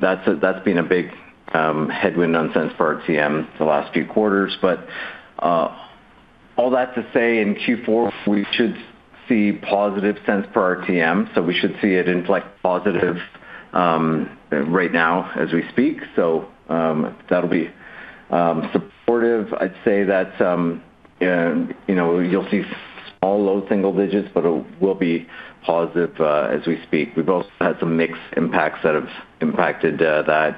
S6: That has been a big headwind on CAD 0.01 for RTM the last few quarters. All that to say, in Q4, we should see +CAD 0.01 for RTM. We should see it inflect positive right now as we speak. That will be supportive. I'd say that you'll see small low single digits, but it will be positive as we speak. We've also had some mix impacts that have impacted that.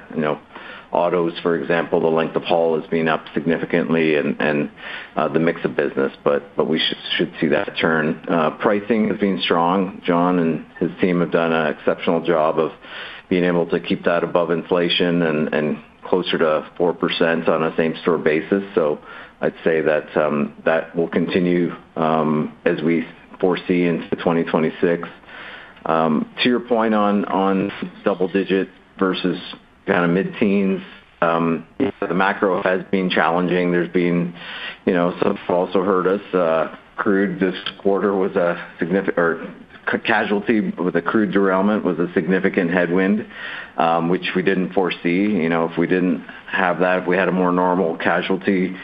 S6: Autos, for example, the length of haul is being up significantly and the mix of business, but we should see that turn. Pricing has been strong. John and his team have done an exceptional job of being able to keep that above inflation and closer to 4% on a same store basis. I'd say that will continue as we foresee into 2026. To your point on double digit versus kind of mid-teens, the macro has been challenging. There's been some also hurt us. Crude this quarter was a significant or casualty with a crude derailment was a significant headwind, which we didn't foresee. If we didn't have that, if we had a more normal casualty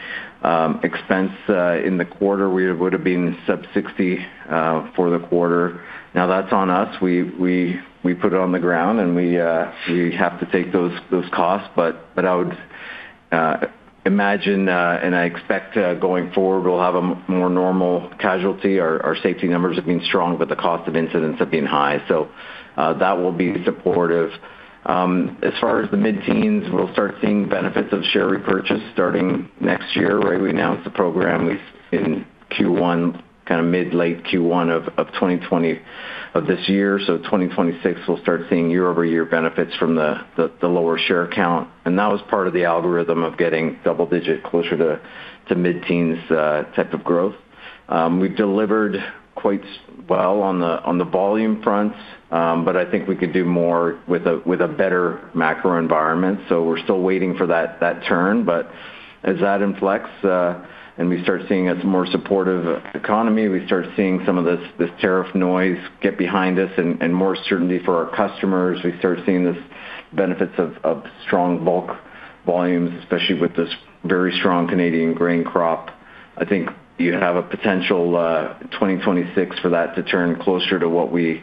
S6: expense in the quarter, we would have been sub-60 for the quarter. That is on us. We put it on the ground, and we have to take those costs. I would imagine, and I expect going forward, we'll have a more normal casualty. Our safety numbers have been strong, but the cost of incidents have been high. That will be supportive. As far as the mid-teens, we'll start seeing benefits of share repurchase starting next year, right? We announced the program in Q1, kind of mid-late Q1 of 2024 of this year. 2026, we'll start seeing year-over-year benefits from the lower share count. That was part of the algorithm of getting double digit closer to mid-teens type of growth. We've delivered quite well on the volume fronts, but I think we could do more with a better macro environment. We're still waiting for that turn. As that inflects and we start seeing a more supportive economy, we start seeing some of this tariff noise get behind us and more certainty for our customers. We start seeing these benefits of strong bulk volumes, especially with this very strong Canadian grain crop. I think you have a potential in 2026 for that to turn closer to what we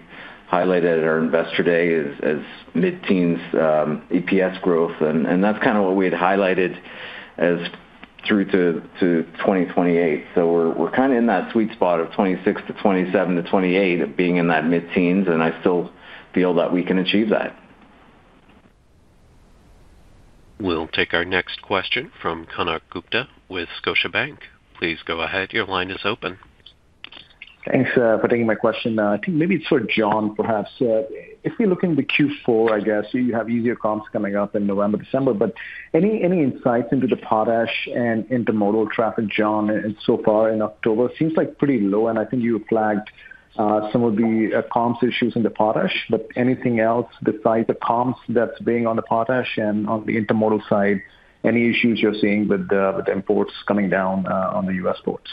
S6: highlighted at our investor day as mid-teens EPS growth. That is kind of what we had highlighted through to 2028. We're kind of in that sweet spot of 2026 to 2027 to 2028 of being in that mid-teens, and I still feel that we can achieve that.
S1: We'll take our next question from Konark Gupta with Scotiabank. Please go ahead. Your line is open.
S13: Thanks for taking my question. I think maybe it's for John, perhaps. If we look into Q4, I guess you have easier comps coming up in November, December, but any insights into the potash and intermodal traffic, John, so far in October? Seems like pretty low, and I think you flagged some of the comps issues in the potash. Anything else besides the comps that's weighing on the potash and on the intermodal side, any issues you're seeing with imports coming down on the U.S. ports?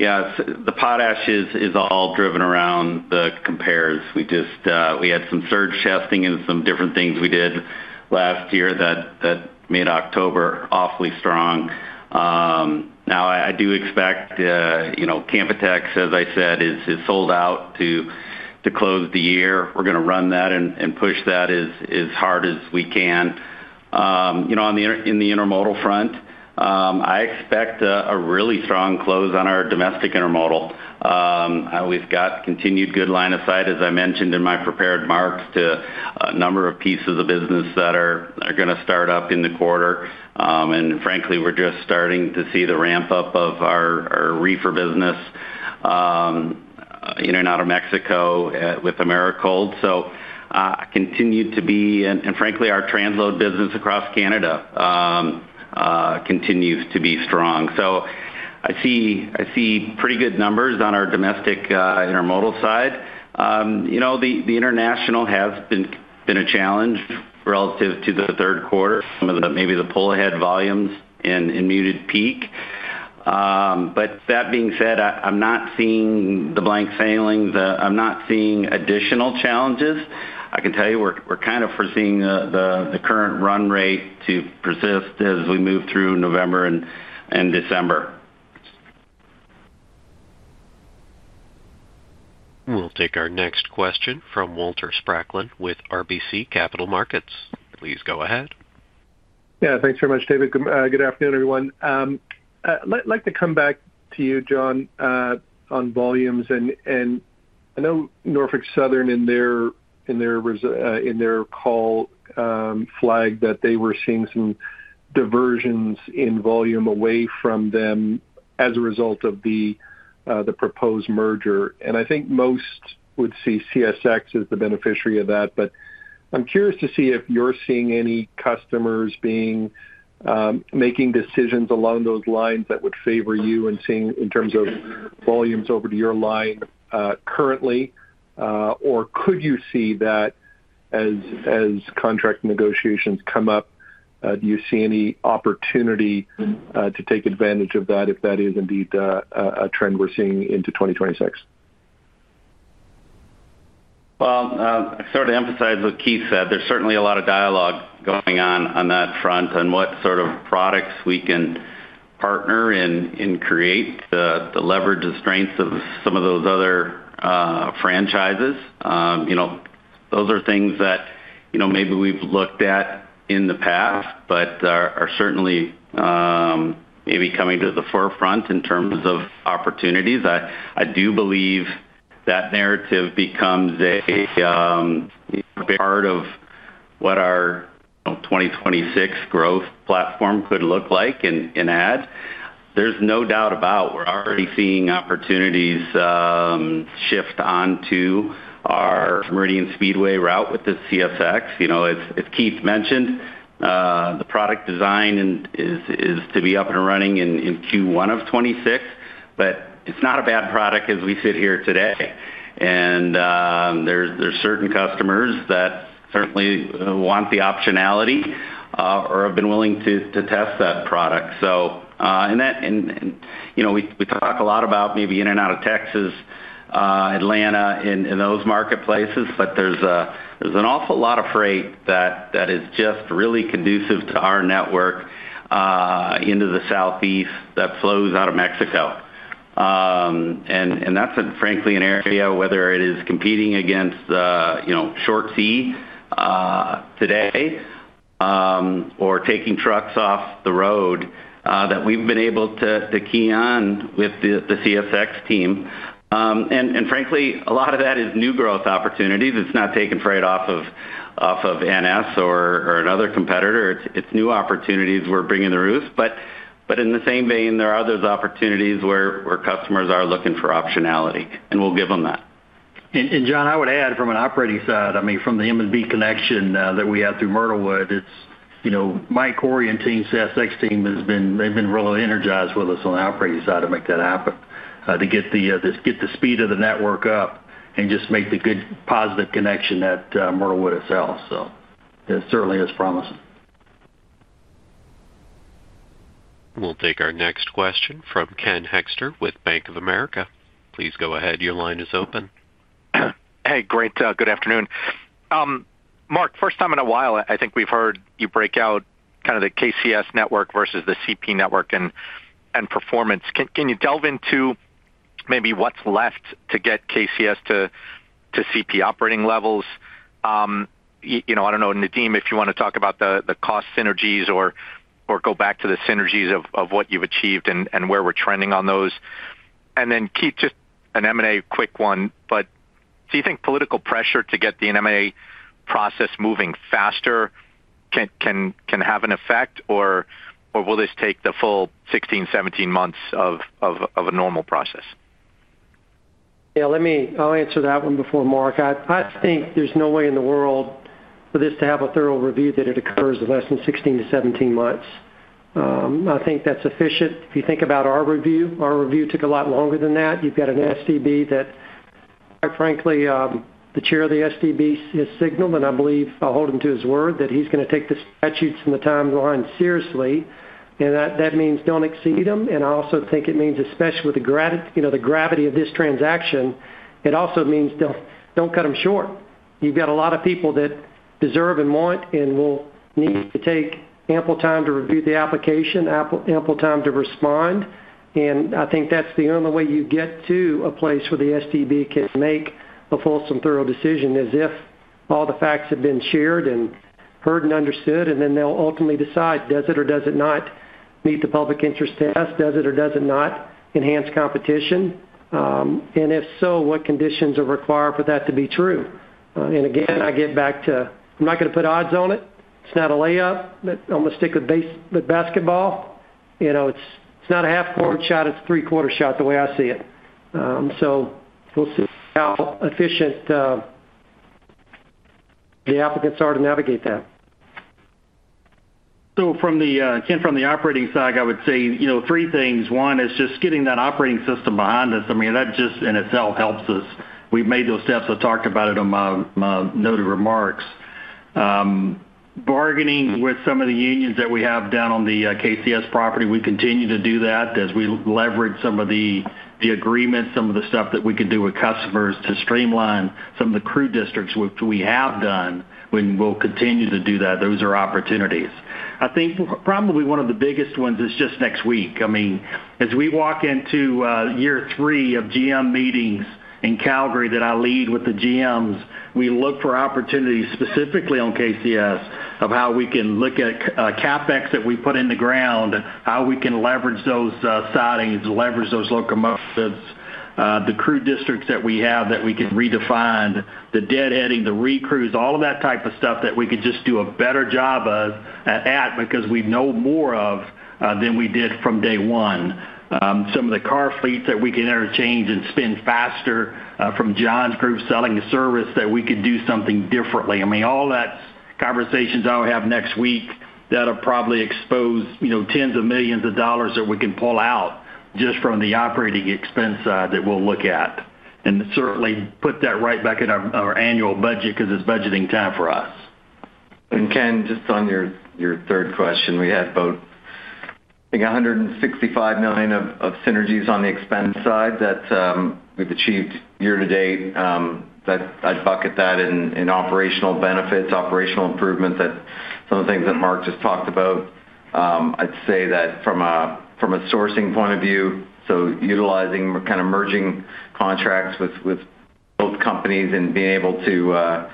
S5: Yeah, the potash is all driven around the compares. We had some surge testing and some different things we did last year that made October awfully strong. I do expect, you know, Canpotex, as I said, is sold out to close the year. We're going to run that and push that as hard as we can. You know, on the intermodal front, I expect a really strong close on our domestic intermodal. We've got continued good line of sight, as I mentioned in my prepared marks, to a number of pieces of business that are going to start up in the quarter. Frankly, we're just starting to see the ramp-up of our reefer business in and out of Mexico with Americold. I continue to be, and frankly, our transload business across Canada continues to be strong. I see pretty good numbers on our domestic intermodal side. The international has been a challenge relative to the third quarter, maybe some of the pull-ahead volumes and muted peak. That being said, I'm not seeing the blank sailing. I'm not seeing additional challenges. I can tell you we're kind of foreseeing the current run rate to persist as we move through November and December.
S1: We'll take our next question from Walter Spracklin with RBC Capital Markets. Please go ahead.
S14: Yeah, thanks very much, David. Good afternoon, everyone. I'd like to come back to you, John, on volumes. I know Norfolk Southern in their call flagged that they were seeing some diversions in volume away from them as a result of the proposed merger. I think most would see CSX as the beneficiary of that. I'm curious to see if you're seeing any customers making decisions along those lines that would favor you and seeing in terms of volumes over to your line currently. Could you see that as contract negotiations come up? Do you see any opportunity to take advantage of that if that is indeed a trend we're seeing into 2026?
S5: I sort of emphasize what Keith said. There's certainly a lot of dialogue going on on that front and what sort of products we can partner and create to leverage the strengths of some of those other franchises. You know, those are things that maybe we've looked at in the past, but are certainly maybe coming to the forefront in terms of opportunities. I do believe that narrative becomes a big part of what our 2026 growth platform could look like and add. There's no doubt about it, we're already seeing opportunities shift onto our Meridian Speedway route with the CSX. You know, as Keith mentioned, the product design is to be up and running in Q1 of 2026, but it's not a bad product as we sit here today. There's certain customers that certainly want the optionality or have been willing to test that product. You know, we talk a lot about maybe in and out of Texas, Atlanta, and those marketplaces, but there's an awful lot of freight that is just really conducive to our network into the Southeast that flows out of Mexico. That's frankly an area whether it is competing against, you know, short sea today or taking trucks off the road that we've been able to key on with the CSX team. Frankly, a lot of that is new growth opportunities. It's not taking freight off of NS or another competitor. It's new opportunities we're bringing to roost. In the same vein, there are those opportunities where customers are looking for optionality, and we'll give them that.
S3: John, I would add from an operating side, from the M&B connection that we had through Myrtlewood, my core and team CSX team has been really energized with us on the operating side to make that happen, to get the speed of the network up and just make the good positive connection at Myrtlewood itself. It certainly is promising.
S1: We'll take our next question from Ken Hoexter with Bank of America. Please go ahead. Your line is open.
S15: Hey, great. Good afternoon. Mark, first time in a while, I think we've heard you break out kind of the KCS network versus the CP network and performance. Can you delve into maybe what's left to get KCS to CP operating levels? I don't know, Nadeem, if you want to talk about the cost synergies or go back to the synergies of what you've achieved and where we're trending on those. Keith, just an M&A quick one, do you think political pressure to get the M&A process moving faster can have an effect, or will this take the full 16, 17 months of a normal process?
S3: Yeah, let me, I'll answer that one before Mark. I think there's no way in the world for this to have a thorough review that it occurs in less than 16 to 17 months. I think that's efficient. If you think about our review, our review took a lot longer than that. You've got an STB that, quite frankly, the Chair of the STB has signaled, and I believe I'll hold him to his word, that he's going to take the statutes and the timeline seriously. That means don't exceed them. I also think it means, especially with the gravity of this transaction, it also means don't cut them short. You've got a lot of people that deserve and want and will need to take ample time to review the application, ample time to respond. I think that's the only way you get to a place where the STB can make a full and thorough decision is if all the facts have been shared and heard and understood, and then they'll ultimately decide, does it or does it not meet the public interest test? Does it or does it not enhance competition? If so, what conditions are required for that to be true? I get back to I'm not going to put odds on it. It's not a layup, but I'm going to stick with basketball. You know, it's not a half quarter shot. It's a three quarter shot the way I see it. We'll see how efficient the applicants are to navigate that.
S4: From the operating side, I would say, you know, three things. One is just getting that operating system behind us. That just in itself helps us. We've made those steps. I talked about it on my noted remarks. Bargaining with some of the unions that we have down on the KCS property, we continue to do that as we leverage some of the agreements, some of the stuff that we can do with customers to streamline some of the crew districts, which we have done, and we'll continue to do that. Those are opportunities. I think probably one of the biggest ones is just next week. As we walk into year three of GM meetings in Calgary that I lead with the GMs, we look for opportunities specifically on KCS of how we can look at CapEx that we put in the ground, how we can leverage those sidings, leverage those locomotives, the crew districts that we have that we can redefine, the deadheading, the re-crews, all of that type of stuff that we could just do a better job of at because we know more of than we did from day one. Some of the car fleets that we can interchange and spin faster from John's group selling the service that we could do something differently. All that's conversations I'll have next week that'll probably expose, you know, tens of millions of dollars that we can pull out just from the operating expense side that we'll look at and certainly put that right back in our annual budget because it's budgeting time for us.
S6: Ken, just on your third question, we had about, I think, 165 million of synergies on the expense side that we've achieved year to date. I'd bucket that in operational benefits, operational improvements, that some of the things that Mark just talked about. I'd say that from a sourcing point of view, utilizing kind of merging contracts with both companies and being able to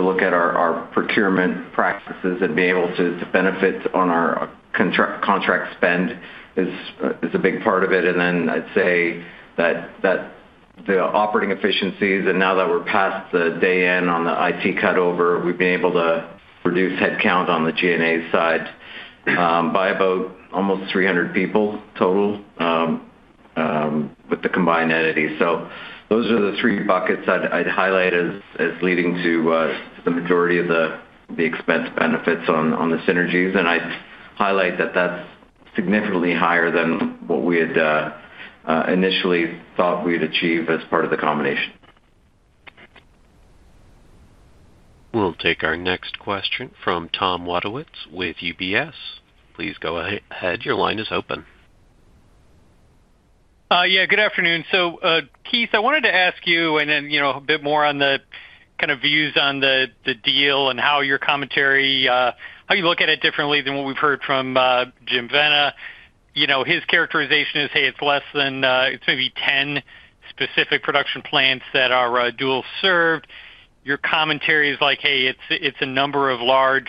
S6: look at our procurement practices and being able to benefit on our contract spend is a big part of it. I'd say that the operating efficiencies, and now that we're past the day in on the IT cutover, we've been able to reduce headcount on the G&A side by about almost 300 people total with the combined entity. Those are the three buckets I'd highlight as leading to the majority of the expense benefits on the synergies. I'd highlight that that's significantly higher than what we had initially thought we'd achieve as part of the combination.
S1: We'll take our next question from Tom Wadewitz with UBS. Please go ahead. Your line is open.
S16: Yeah, good afternoon. Keith, I wanted to ask you, and then a bit more on the kind of views on the deal and how your commentary, how you look at it differently than what we've heard from Jim Vena. His characterization is, hey, it's less than, it's maybe 10 specific production plants that are dual served. Your commentary is like, hey, it's a number of large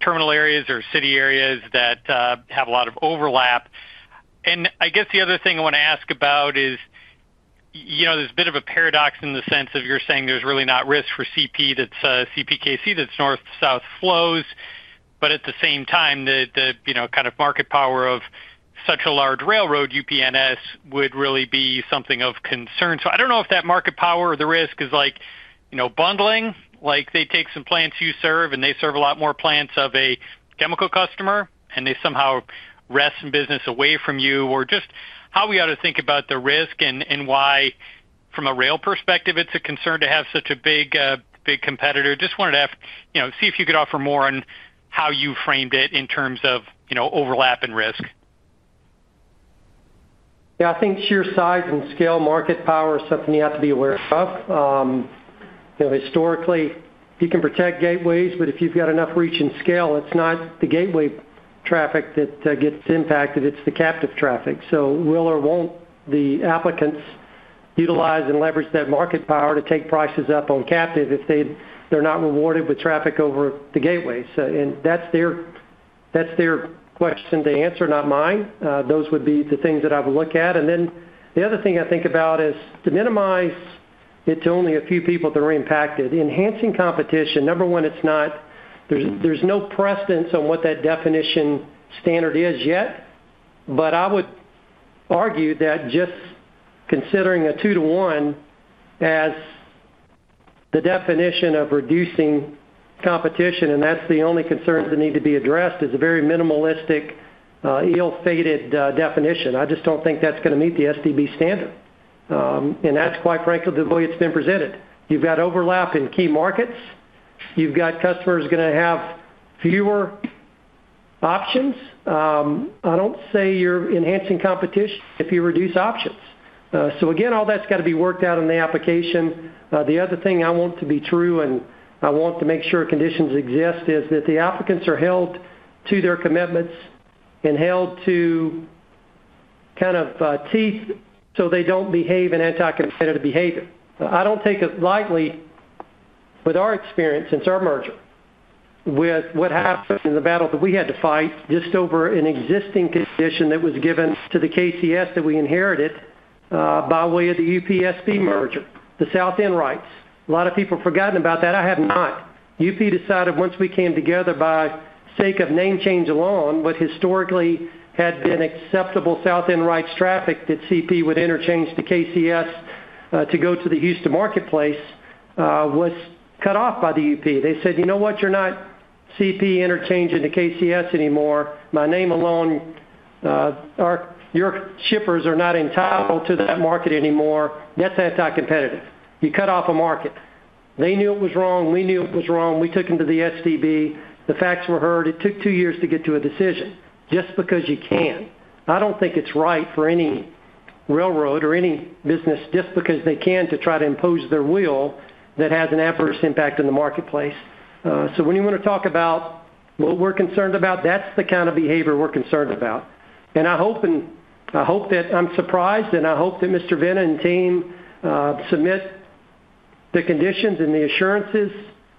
S16: terminal areas or city areas that have a lot of overlap. I guess the other thing I want to ask about is, there's a bit of a paradox in the sense of you're saying there's really not risk for CPKC that's north-south flows, but at the same time, the kind of market power of such a large railroad, UPNS, would really be something of concern. I don't know if that market power or the risk is like, bundling, like they take some plants you serve and they serve a lot more plants of a chemical customer and they somehow rest in business away from you, or just how we ought to think about the risk and why, from a rail perspective, it's a concern to have such a big, big competitor. Just wanted to ask, see if you could offer more on how you framed it in terms of overlap and risk.
S3: Yeah, I think sheer size and scale market power is something you have to be aware of. Historically, you can protect gateways, but if you've got enough reach and scale, it's not the gateway traffic that gets impacted. It's the captive traffic. Will or won't the applicants utilize and leverage that market power to take prices up on captive if they're not rewarded with traffic over the gateways? That's their question to answer, not mine. Those would be the things that I would look at. The other thing I think about is to minimize it to only a few people that are impacted. Enhancing competition, number one, it's not, there's no precedence on what that definition standard is yet, but I would argue that just considering a two-to-one as the definition of reducing competition, and that's the only concerns that need to be addressed, is a very minimalistic, ill-fated definition. I just don't think that's going to meet the STB standard. That's quite frankly the way it's been presented. You've got overlap in key markets. You've got customers going to have fewer options. I don't say you're enhancing competition if you reduce options. All that's got to be worked out in the application. The other thing I want to be true and I want to make sure conditions exist is that the applicants are held to their commitments and held to kind of teeth so they don't behave in anti-competitive behavior. I don't take it lightly with our experience since our merger with what happened in the battle that we had to fight just over an existing condition that was given to the KCS that we inherited by way of the UPSB merger, the South End rights. A lot of people have forgotten about that. I have not. UP decided once we came together by sake of name change alone, what historically had been acceptable South End rights traffic that CP would interchange to KCS to go to the Houston marketplace was cut off by the UP. They said, you know what? You're not CP interchanging to KCS anymore. My name alone, your shippers are not entitled to that market anymore. That's anti-competitive. You cut off a market. They knew it was wrong. We knew it was wrong. We took them to the STB. The facts were heard. It took two years to get to a decision. Just because you can. I don't think it's right for any railroad or any business just because they can to try to impose their will that has an adverse impact on the marketplace. When you want to talk about what we're concerned about, that's the kind of behavior we're concerned about. I hope that I'm surprised, and I hope that Mr. Vena and team submit the conditions and the assurances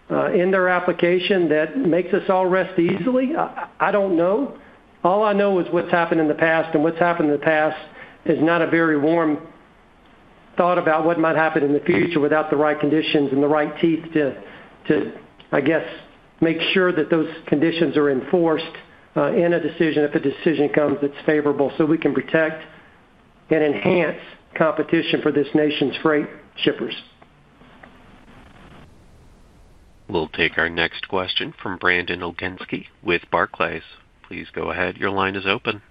S3: in their application that makes us all rest easily. I don't know. All I know is what's happened in the past, and what's happened in the past is not a very warm thought about what might happen in the future without the right conditions and the right teeth to, I guess, make sure that those conditions are enforced in a decision if a decision comes that's favorable so we can protect and enhance competition for this nation's freight shippers.
S1: We'll take our next question from Brandon Oginski with Barclays. Please go ahead. Your line is open.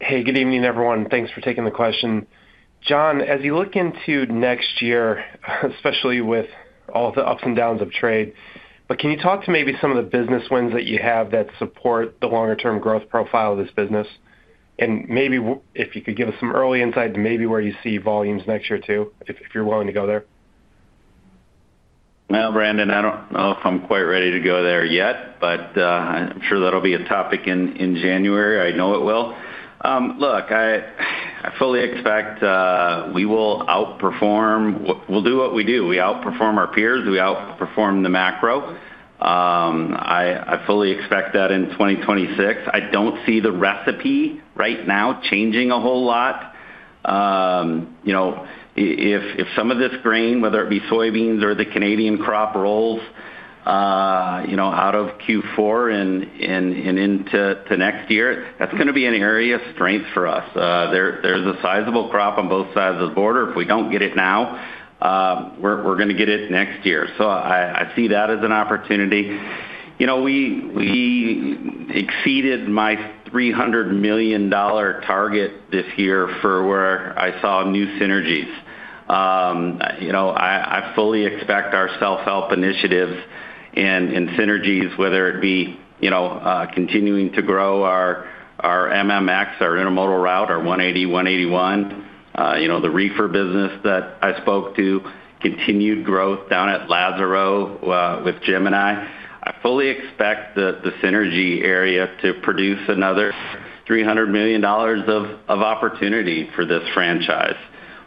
S17: Hey, good evening, everyone. Thanks for taking the question. John, as you look into next year, especially with all the ups and downs of trade, can you talk to maybe some of the business wins that you have that support the longer-term growth profile of this business? Maybe if you could give us some early insight to maybe where you see volumes next year too, if you're willing to go there.
S5: Brandon, I don't know if I'm quite ready to go there yet, but I'm sure that'll be a topic in January. I know it will. Look, I fully expect we will outperform. We'll do what we do. We outperform our peers. We outperform the macro. I fully expect that in 2026. I don't see the recipe right now changing a whole lot. If some of this grain, whether it be soybeans or the Canadian crop, rolls out of Q4 and into next year, that's going to be an area of strength for us. There's a sizable crop on both sides of the border. If we don't get it now, we're going to get it next year. I see that as an opportunity. We exceeded my 300 million dollar target this year for where I saw new synergies. I fully expect our self-help initiatives and synergies, whether it be continuing to grow our MMX, our intermodal route, our 180, 181, the reefer business that I spoke to, continued growth down at Lazaro with Gemini. I fully expect the synergy area to produce another 300 million dollars of opportunity for this franchise.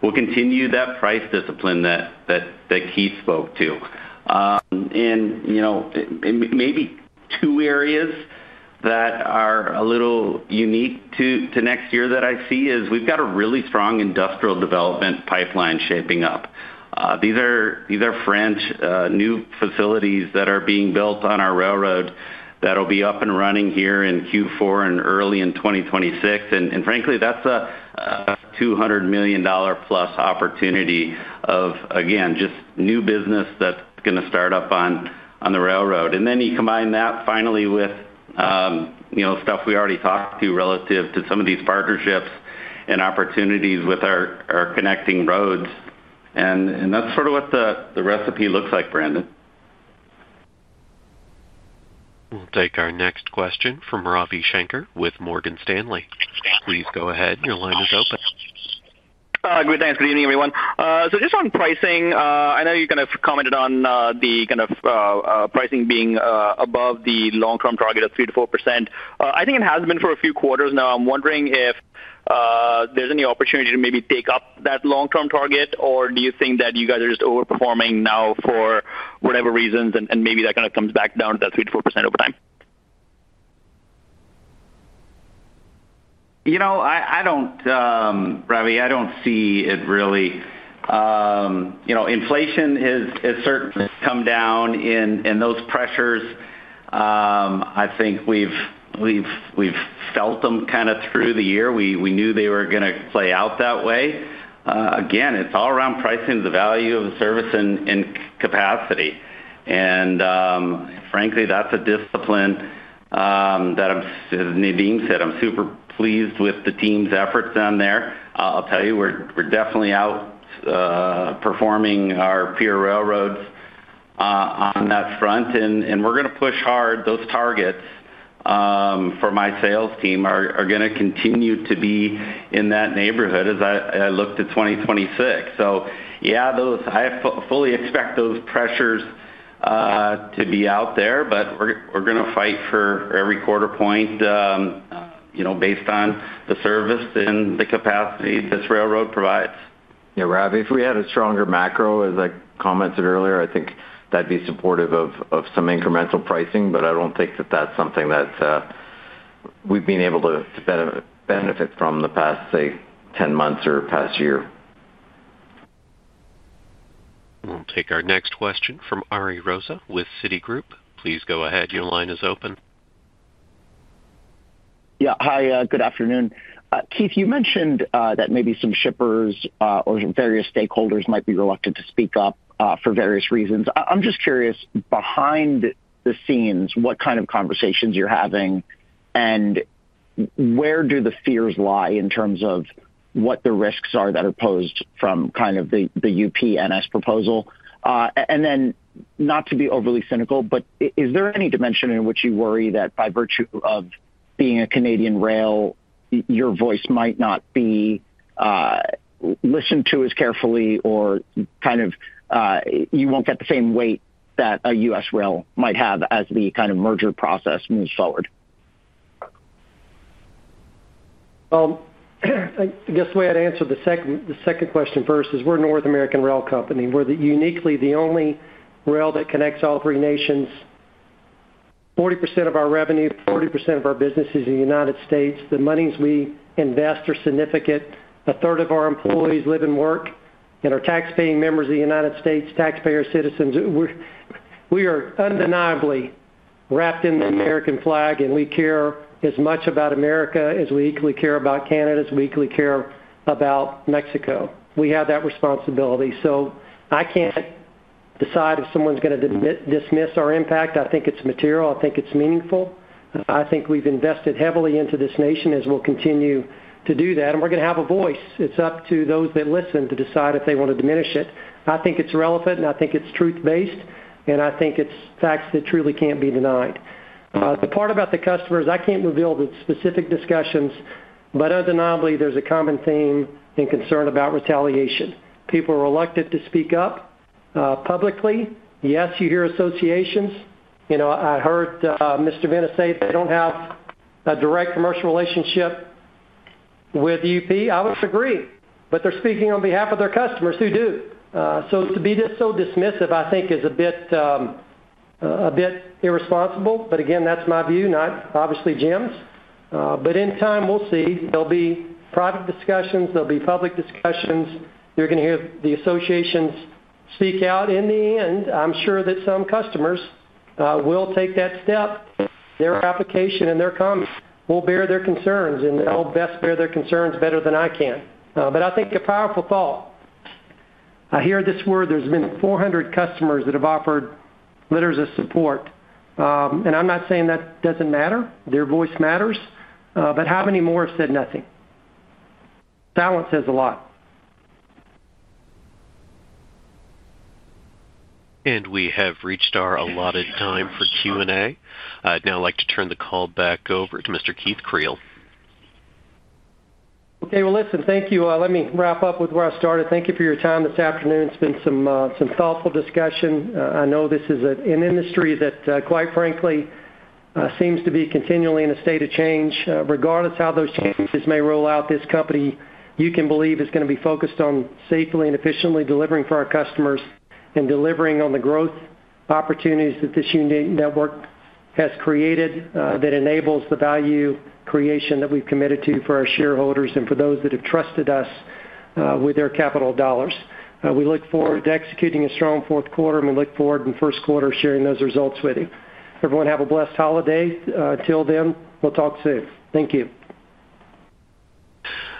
S5: We'll continue that price discipline that Keith spoke to. Maybe two areas that are a little unique to next year that I see is we've got a really strong industrial development pipeline shaping up. These are fresh new facilities that are being built on our railroad that'll be up and running here in Q4 and early in 2026. Frankly, that's a 200 million dollar plus opportunity of, again, just new business that's going to start up on the railroad. Then you combine that finally with stuff we already talked to relative to some of these partnerships and opportunities with our connecting roads. That's sort of what the recipe looks like, Brandon.
S1: We'll take our next question from Ravi Shanker with Morgan Stanley. Please go ahead. Your line is open.
S18: Good, thanks. Good evening, everyone. Just on pricing, I know you kind of commented on the kind of pricing being above the long-term target of 3%-4%. I think it has been for a few quarters now. I'm wondering if there's any opportunity to maybe take up that long-term target, or do you think that you guys are just overperforming now for whatever reasons and maybe that kind of comes back down to that 3%-4% over time?
S5: I don't see it really. Inflation has certainly come down and those pressures, I think we've felt them kind of through the year. We knew they were going to play out that way. Again, it's all around pricing, the value of the service and capacity. Frankly, that's a discipline that, as Nadeem said, I'm super pleased with the team's efforts down there. I'll tell you, we're definitely outperforming our peer railroads on that front. We're going to push hard. Those targets for my sales team are going to continue to be in that neighborhood as I look to 2026. I fully expect those pressures to be out there, but we're going to fight for every quarter point, based on the service and the capacity this railroad provides.
S6: Yeah, Ravi, if we had a stronger macro, as I commented earlier, I think that'd be supportive of some incremental pricing, but I don't think that that's something that we've been able to benefit from the past, say, 10 months or past year. Our
S1: Next question from Ari Rosa with Citigroup. Please go ahead. Your line is open.
S19: Yeah. Hi. Good afternoon. Keith, you mentioned that maybe some shippers or various stakeholders might be reluctant to speak up for various reasons. I'm just curious, behind the scenes, what kind of conversations you're having and where do the fears lie in terms of what the risks are that are posed from kind of the UPNS proposal? Not to be overly cynical, but is there any dimension in which you worry that by virtue of being a Canadian rail, your voice might not be listened to as carefully or kind of you won't get the same weight that a U.S. rail might have as the kind of merger process moves forward?
S3: I guess the way I'd answer the second question first is we're a North American rail company. We're uniquely the only rail that connects all three nations. 40% of our revenue, 40% of our business is in the U.S. The monies we invest are significant. A third of our employees live and work and are taxpaying members of the U.S., taxpayer citizens. We are undeniably wrapped in the American flag and we care as much about America as we equally care about Canada, as we equally care about Mexico. We have that responsibility. I can't decide if someone's going to dismiss our impact. I think it's material. I think it's meaningful. I think we've invested heavily into this nation and we'll continue to do that. We're going to have a voice. It's up to those that listen to decide if they want to diminish it. I think it's relevant and I think it's truth-based and I think it's facts that truly can't be denied. The part about the customers, I can't reveal the specific discussions, but undeniably there's a common theme and concern about retaliation. People are reluctant to speak up publicly. Yes, you hear associations. I heard Mr. Vena say they don't have a direct commercial relationship with the UP. I would agree. They're speaking on behalf of their customers who do. To be so dismissive I think is a bit irresponsible. Again, that's my view, not obviously Jim's. In time, we'll see. There'll be private discussions. There'll be public discussions. You're going to hear the associations speak out. In the end, I'm sure that some customers will take that step. Their application and their comments will bear their concerns and they'll best bear their concerns better than I can. I think a powerful thought. I hear this word. There's been 400 customers that have offered letters of support. I'm not saying that doesn't matter. Their voice matters. How many more have said nothing? Silence says a lot.
S1: We have reached our allotted time for Q&A. Now I'd like to turn the call back over to Mr. Keith Creel.
S3: Okay. Thank you. Let me wrap up with where I started. Thank you for your time this afternoon. It's been some thoughtful discussion. I know this is an industry that, quite frankly, seems to be continually in a state of change. Regardless of how those changes may roll out, this company you can believe is going to be focused on safely and efficiently delivering for our customers and delivering on the growth opportunities that this unique network has created that enables the value creation that we've committed to for our shareholders and for those that have trusted us with their capital dollars. We look forward to executing a strong fourth quarter and we look forward in the first quarter to sharing those results with you. Everyone, have a blessed holiday. Till then, we'll talk soon. Thank you.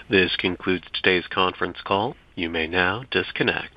S1: This concludes today's conference call. You may now disconnect.